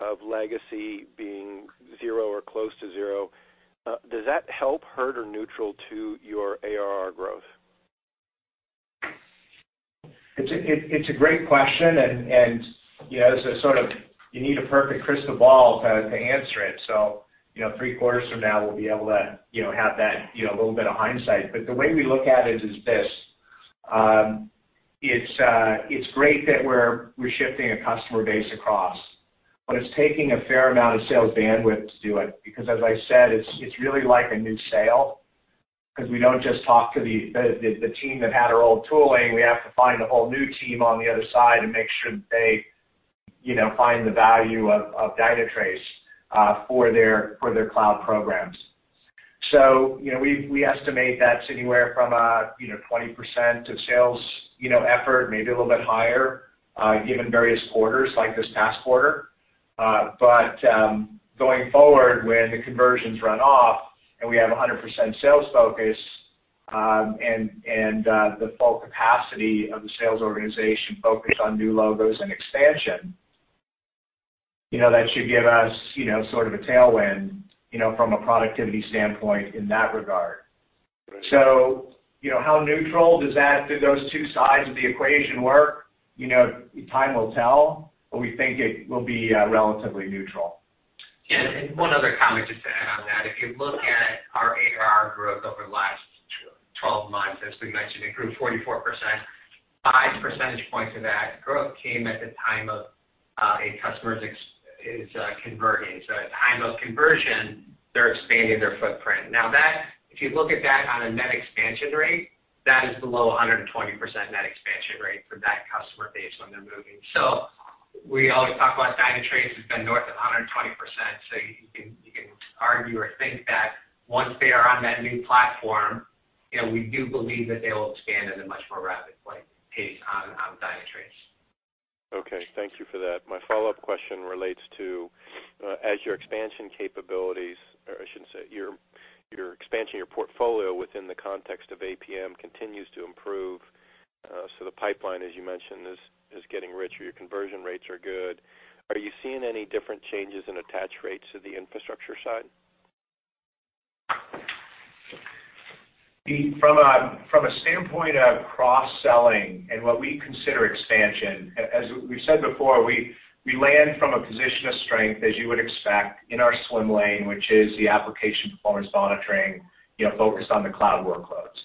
L: of legacy being zero or close to zero, does that help, hurt or neutral to your ARR growth?
C: It's a great question, and you need a perfect crystal ball to answer it. Three quarters from now, we'll be able to have that little bit of hindsight. The way we look at it is this. It's great that we're shifting a customer base across, but it's taking a fair amount of sales bandwidth to do it because, as I said, it's really like a new sale because we don't just talk to the team that had our old tooling. We have to find a whole new team on the other side and make sure they find the value of Dynatrace for their cloud programs. We estimate that's anywhere from a 20% of sales effort, maybe a little bit higher given various quarters like this past quarter. Going forward, when the conversions run off and we have 100% sales focus and the full capacity of the sales organization focused on new logos and expansion, that should give us sort of a tailwind from a productivity standpoint in that regard. how neutral do those two sides of the equation work? Time will tell, but we think it will be relatively neutral.
D: Yeah. One other comment just to add on that. If you look at our ARR growth over the last 12 months, as we mentioned, it grew 44%. Five percentage points of that growth came at the time of a customer's converting. At the time of conversion, they're expanding their footprint. Now, if you look at that on a net expansion rate, that is below 120% net expansion rate for that customer. We always talk about Dynatrace has been north of 120%. You can argue or think that once they are on that new platform, we do believe that they will expand at a much more rapid pace on Dynatrace.
L: Okay. Thank you for that. My follow-up question relates to, as your expansion capabilities, or I shouldn't say, your expansion, your portfolio within the context of APM continues to improve. The pipeline, as you mentioned, is getting richer. Your conversion rates are good. Are you seeing any different changes in attach rates to the infrastructure side?
C: Keith, from a standpoint of cross-selling and what we consider expansion, as we've said before, we land from a position of strength, as you would expect, in our swim lane, which is the application performance monitoring, focused on the cloud workloads.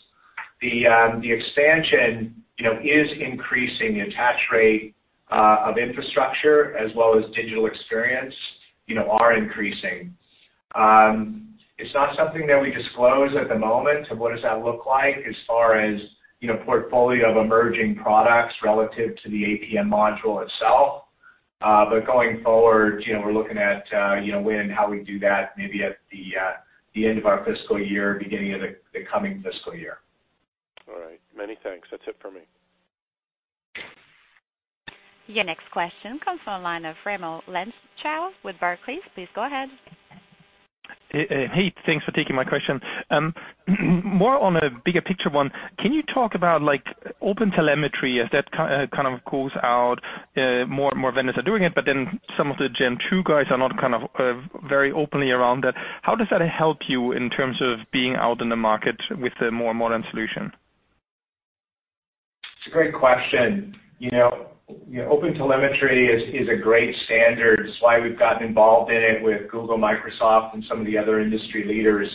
C: The expansion is increasing. The attach rate of infrastructure as well as digital experience are increasing. It's not something that we disclose at the moment of what does that look like as far as portfolio of emerging products relative to the APM module itself. going forward, we're looking at when and how we do that, maybe at the end of our fiscal year, beginning of the coming fiscal year.
L: All right. Many thanks. That's it for me.
A: Your next question comes from the line of Raimo Lenschow with Barclays. Please go ahead.
M: Hey, thanks for taking my question. More on a bigger picture one. Can you talk about OpenTelemetry as that kind of calls out more and more vendors are doing it, but then some of the Gen 2 guys are not very openly around that. How does that help you in terms of being out in the market with a more modern solution?
C: It's a great question. OpenTelemetry is a great standard. It's why we've gotten involved in it with Google, Microsoft, and some of the other industry leaders.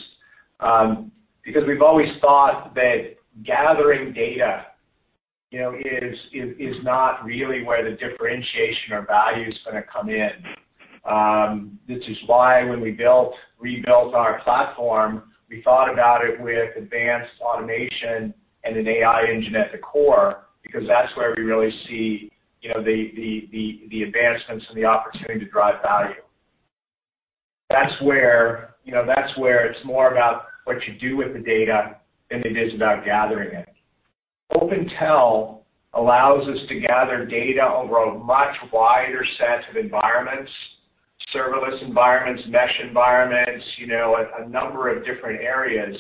C: Because we've always thought that gathering data is not really where the differentiation or value is going to come in. This is why when we rebuilt our platform, we thought about it with advanced automation and an AI engine at the core, because that's where we really see the advancements and the opportunity to drive value. That's where it's more about what you do with the data than it is about gathering it. OpenTel allows us to gather data over a much wider set of environments, serverless environments, mesh environments, a number of different areas,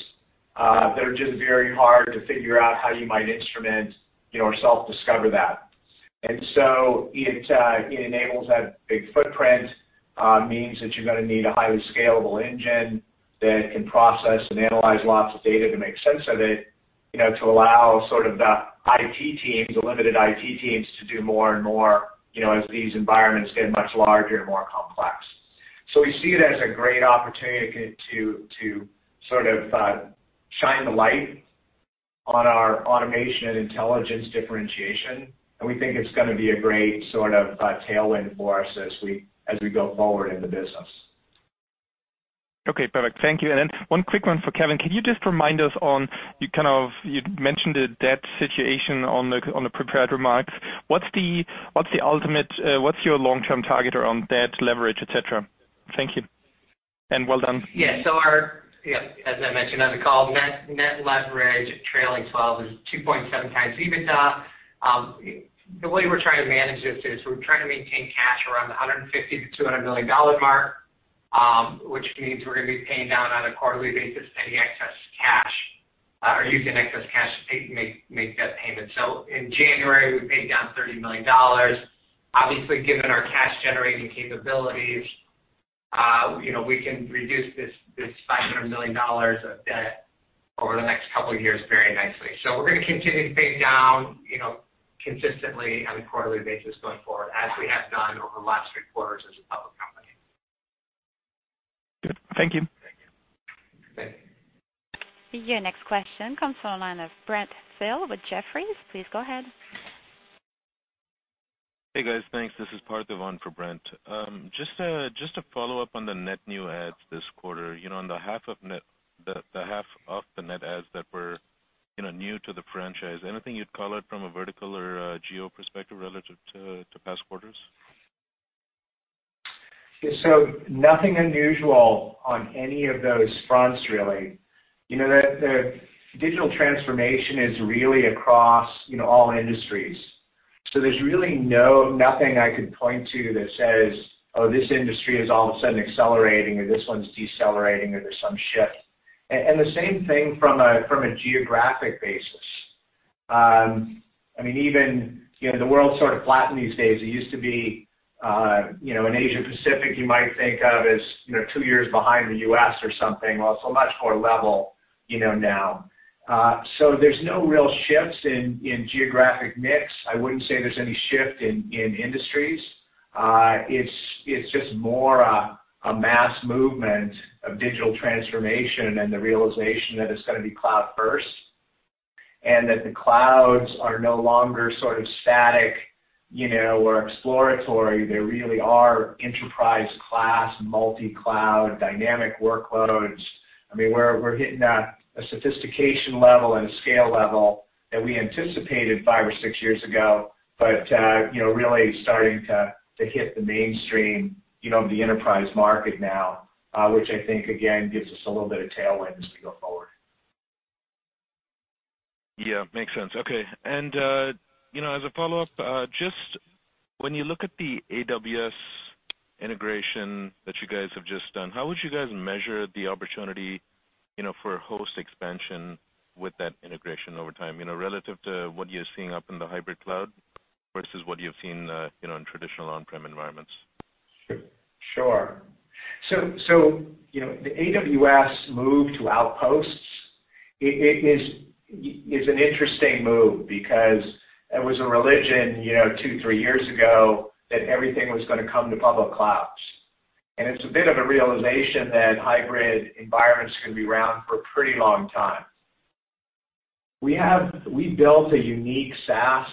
C: that are just very hard to figure out how you might instrument or self-discover that. It enables that big footprint, means that you're going to need a highly scalable engine that can process and analyze lots of data to make sense of it, to allow sort of the IT teams, the limited IT teams, to do more and more, as these environments get much larger and more complex. We see it as a great opportunity to sort of shine the light on our automation and intelligence differentiation, and we think it's going to be a great sort of tailwind for us as we go forward in the business.
M: Okay, perfect. Thank you. One quick one for Kevin. Can you just remind us on, you mentioned the debt situation on the prepared remarks. What's your long-term target around debt leverage, et cetera? Thank you, and well done.
D: Yeah. Our, as I mentioned on the call, net leverage trailing 12 is 2.7x EBITDA. The way we're trying to manage this is we're trying to maintain cash around the $150million-$200 million mark, which means we're going to be paying down on a quarterly basis any excess cash or using excess cash to make debt payments. In January, we paid down $30 million. Obviously, given our cash-generating capabilities, we can reduce this $500 million of debt over the next couple of years very nicely. We're going to continue to pay down consistently on a quarterly basis going forward, as we have done over the last three quarters as a public company.
M: Good. Thank you.
D: Thank you.
C: Thank you.
A: Your next question comes from the line of Brent Thill with Jefferies. Please go ahead.
N: Hey, guys. Thanks. This is Parthiv on for Brent. Just to follow-up on the net new adds this quarter. On the half of the net adds that were new to the franchise, anything you'd color from a vertical or geo perspective relative to past quarters?
C: Nothing unusual on any of those fronts, really. The digital transformation is really across all industries. There's really nothing I could point to that says, "Oh, this industry is all of a sudden accelerating," or, "This one's decelerating," or there's some shift. The same thing from a geographic basis. Even the world's sort of flattened these days. It used to be in Asia Pacific, you might think of as two years behind the U.S. or something. Well, it's much more level now. There's no real shifts in geographic mix. I wouldn't say there's any shift in industries. It's just more a mass movement of digital transformation and the realization that it's going to be cloud first, and that the clouds are no longer sort of static or exploratory. They really are enterprise class, multi-cloud, dynamic workloads I mean, we're hitting a sophistication level and a scale level that we anticipated five or six years ago, but really starting to hit the mainstream, the enterprise market now, which I think, again, gives us a little bit of tailwind as we go forward.
N: Yeah. Makes sense. Okay. As a follow-up, just when you look at the AWS integration that you guys have just done, how would you guys measure the opportunity for host expansion with that integration over time, relative to what you're seeing up in the hybrid cloud versus what you've seen in traditional on-prem environments?
C: Sure. The AWS move to Outposts is an interesting move because it was a religion two, three years ago that everything was going to come to public clouds. It's a bit of a realization that hybrid environments are going to be around for a pretty long time. We built a unique SaaS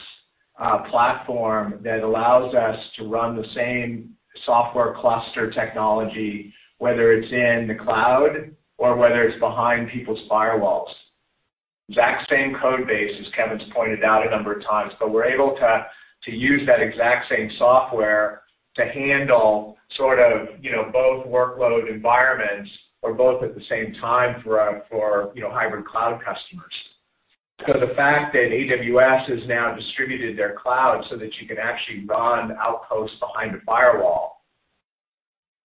C: platform that allows us to run the same software cluster technology, whether it's in the cloud or whether it's behind people's firewalls. Exact same code base, as Kevin's pointed out a number of times. We're able to use that exact same software to handle both workload environments or both at the same time for our hybrid cloud customers. The fact that AWS has now distributed their cloud so that you can actually run Outposts behind a firewall,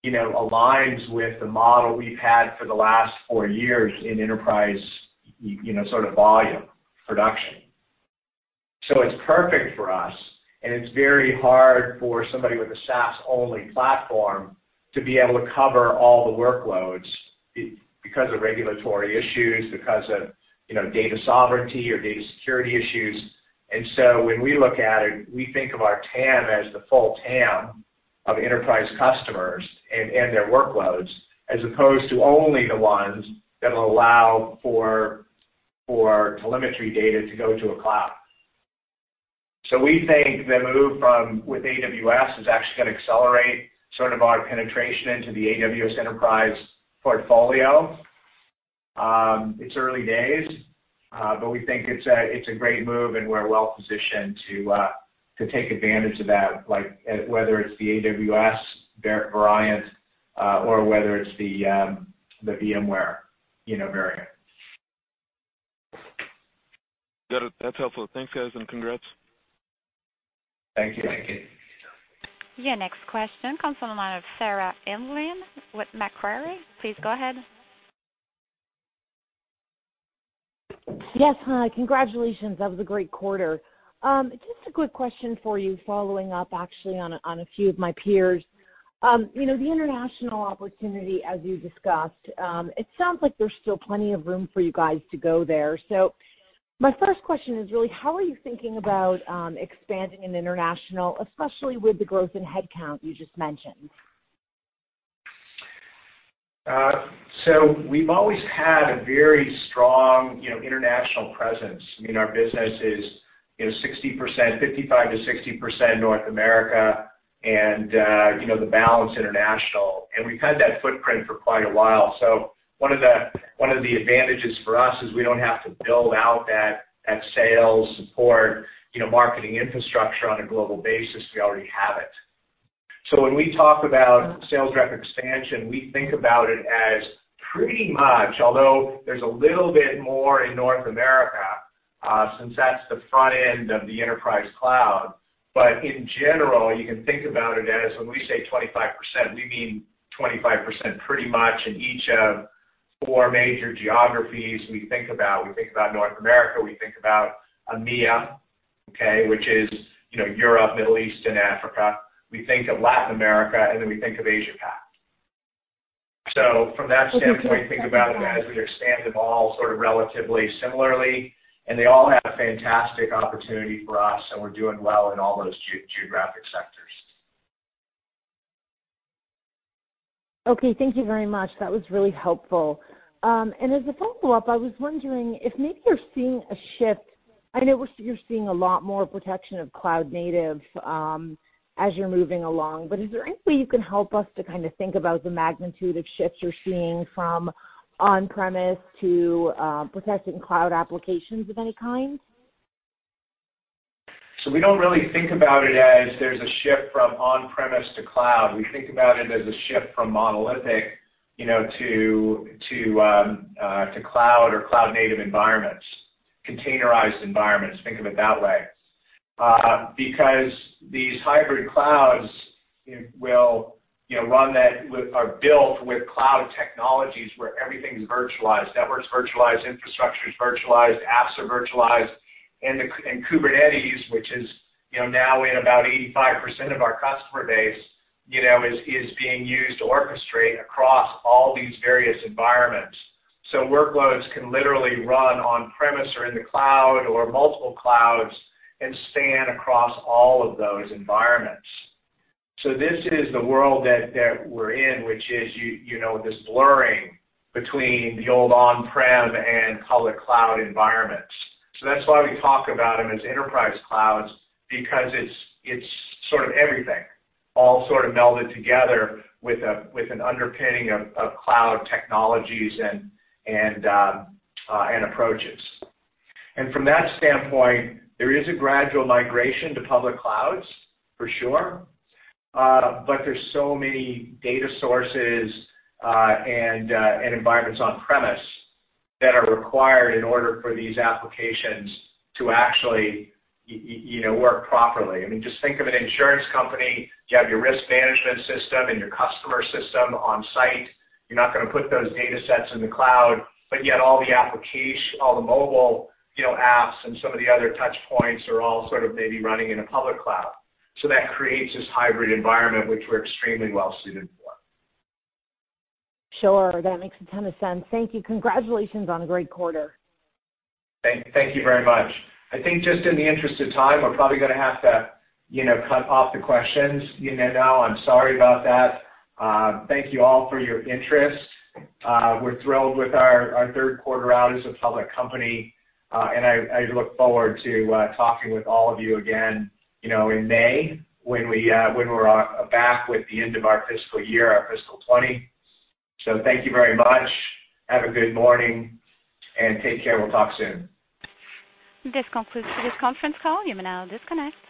C: aligns with the model we've had for the last four years in enterprise volume production. It's perfect for us, and it's very hard for somebody with a SaaS-only platform to be able to cover all the workloads because of regulatory issues, because of data sovereignty or data security issues. when we look at it, we think of our TAM as the full TAM of enterprise customers and their workloads, as opposed to only the ones that allow for telemetry data to go to a cloud. we think the move with AWS is actually going to accelerate our penetration into the AWS enterprise portfolio. It's early days, but we think it's a great move, and we're well-positioned to take advantage of that, whether it's the AWS variant or whether it's the VMware variant.
N: That's helpful. Thanks, guys, and congrats.
C: Thank you.
D: Thank you.
A: Your next question comes from the line of Sarah Hindlian with Macquarie. Please go ahead.
O: Yes. Hi. Congratulations. That was a great quarter. Just a quick question for you following up, actually, on a few of my peers. The international opportunity, as you discussed, it sounds like there's still plenty of room for you guys to go there. My first question is really, how are you thinking about expanding in international, especially with the growth in headcount you just mentioned?
C: We've always had a very strong international presence. Our business is 55%-60% North America and the balance international. We've had that footprint for quite a while. One of the advantages for us is we don't have to build out that sales support, marketing infrastructure on a global basis. We already have it. When we talk about sales rep expansion, we think about it as pretty much, although there's a little bit more in North America, since that's the front end of the enterprise cloud. In general, you can think about it as when we say 25%, we mean 25% pretty much in each of four major geographies we think about. We think about North America, we think about EMEA, okay? Which is Europe, Middle East, and Africa. We think of Latin America, and then we think of Asia Pac. From that standpoint, think about it as we expand them all sort of relatively similarly, and they all have fantastic opportunity for us, and we're doing well in all those geographic sectors.
O: Okay. Thank you very much. That was really helpful. As a follow-up, I was wondering if maybe you're seeing a shift. I know you're seeing a lot more protection of cloud native as you're moving along, but is there any way you can help us to kind of think about the magnitude of shifts you're seeing from on-premise to protecting cloud applications of any kind?
C: We don't really think about it as there's a shift from on-premise to cloud. We think about it as a shift from monolithic to cloud or cloud-native environments, containerized environments, think of it that way. Because these hybrid clouds are built with cloud technologies where everything's virtualized, networks virtualized, infrastructure's virtualized, apps are virtualized. Kubernetes, which is now in about 85% of our customer base, is being used to orchestrate across all these various environments. Workloads can literally run on-premise or in the cloud or multiple clouds and span across all of those environments. This is the world that we're in, which is this blurring between the old on-prem and public cloud environments. That's why we talk about them as enterprise clouds, because it's sort of everything all sort of melded together with an underpinning of cloud technologies and approaches. From that standpoint, there is a gradual migration to public clouds, for sure. there's so many data sources and environments on-premise that are required in order for these applications to actually work properly. I mean, just think of an insurance company. You have your risk management system and your customer system on-site. You're not going to put those data sets in the cloud, but yet all the mobile apps and some of the other touch points are all sort of maybe running in a public cloud. that creates this hybrid environment, which we're extremely well suited for.
O: Sure. That makes a ton of sense. Thank you. Congratulations on a great quarter.
C: Thank you very much. I think just in the interest of time, we're probably going to have to cut off the questions. I'm sorry about that. Thank you all for your interest. We're thrilled with our third quarter out as a public company. I look forward to talking with all of you again in May when we're back with the end of our fiscal year, our fiscal 2020. Thank you very much. Have a good morning, and take care. We'll talk soon.
A: This concludes today's conference call. You may now disconnect.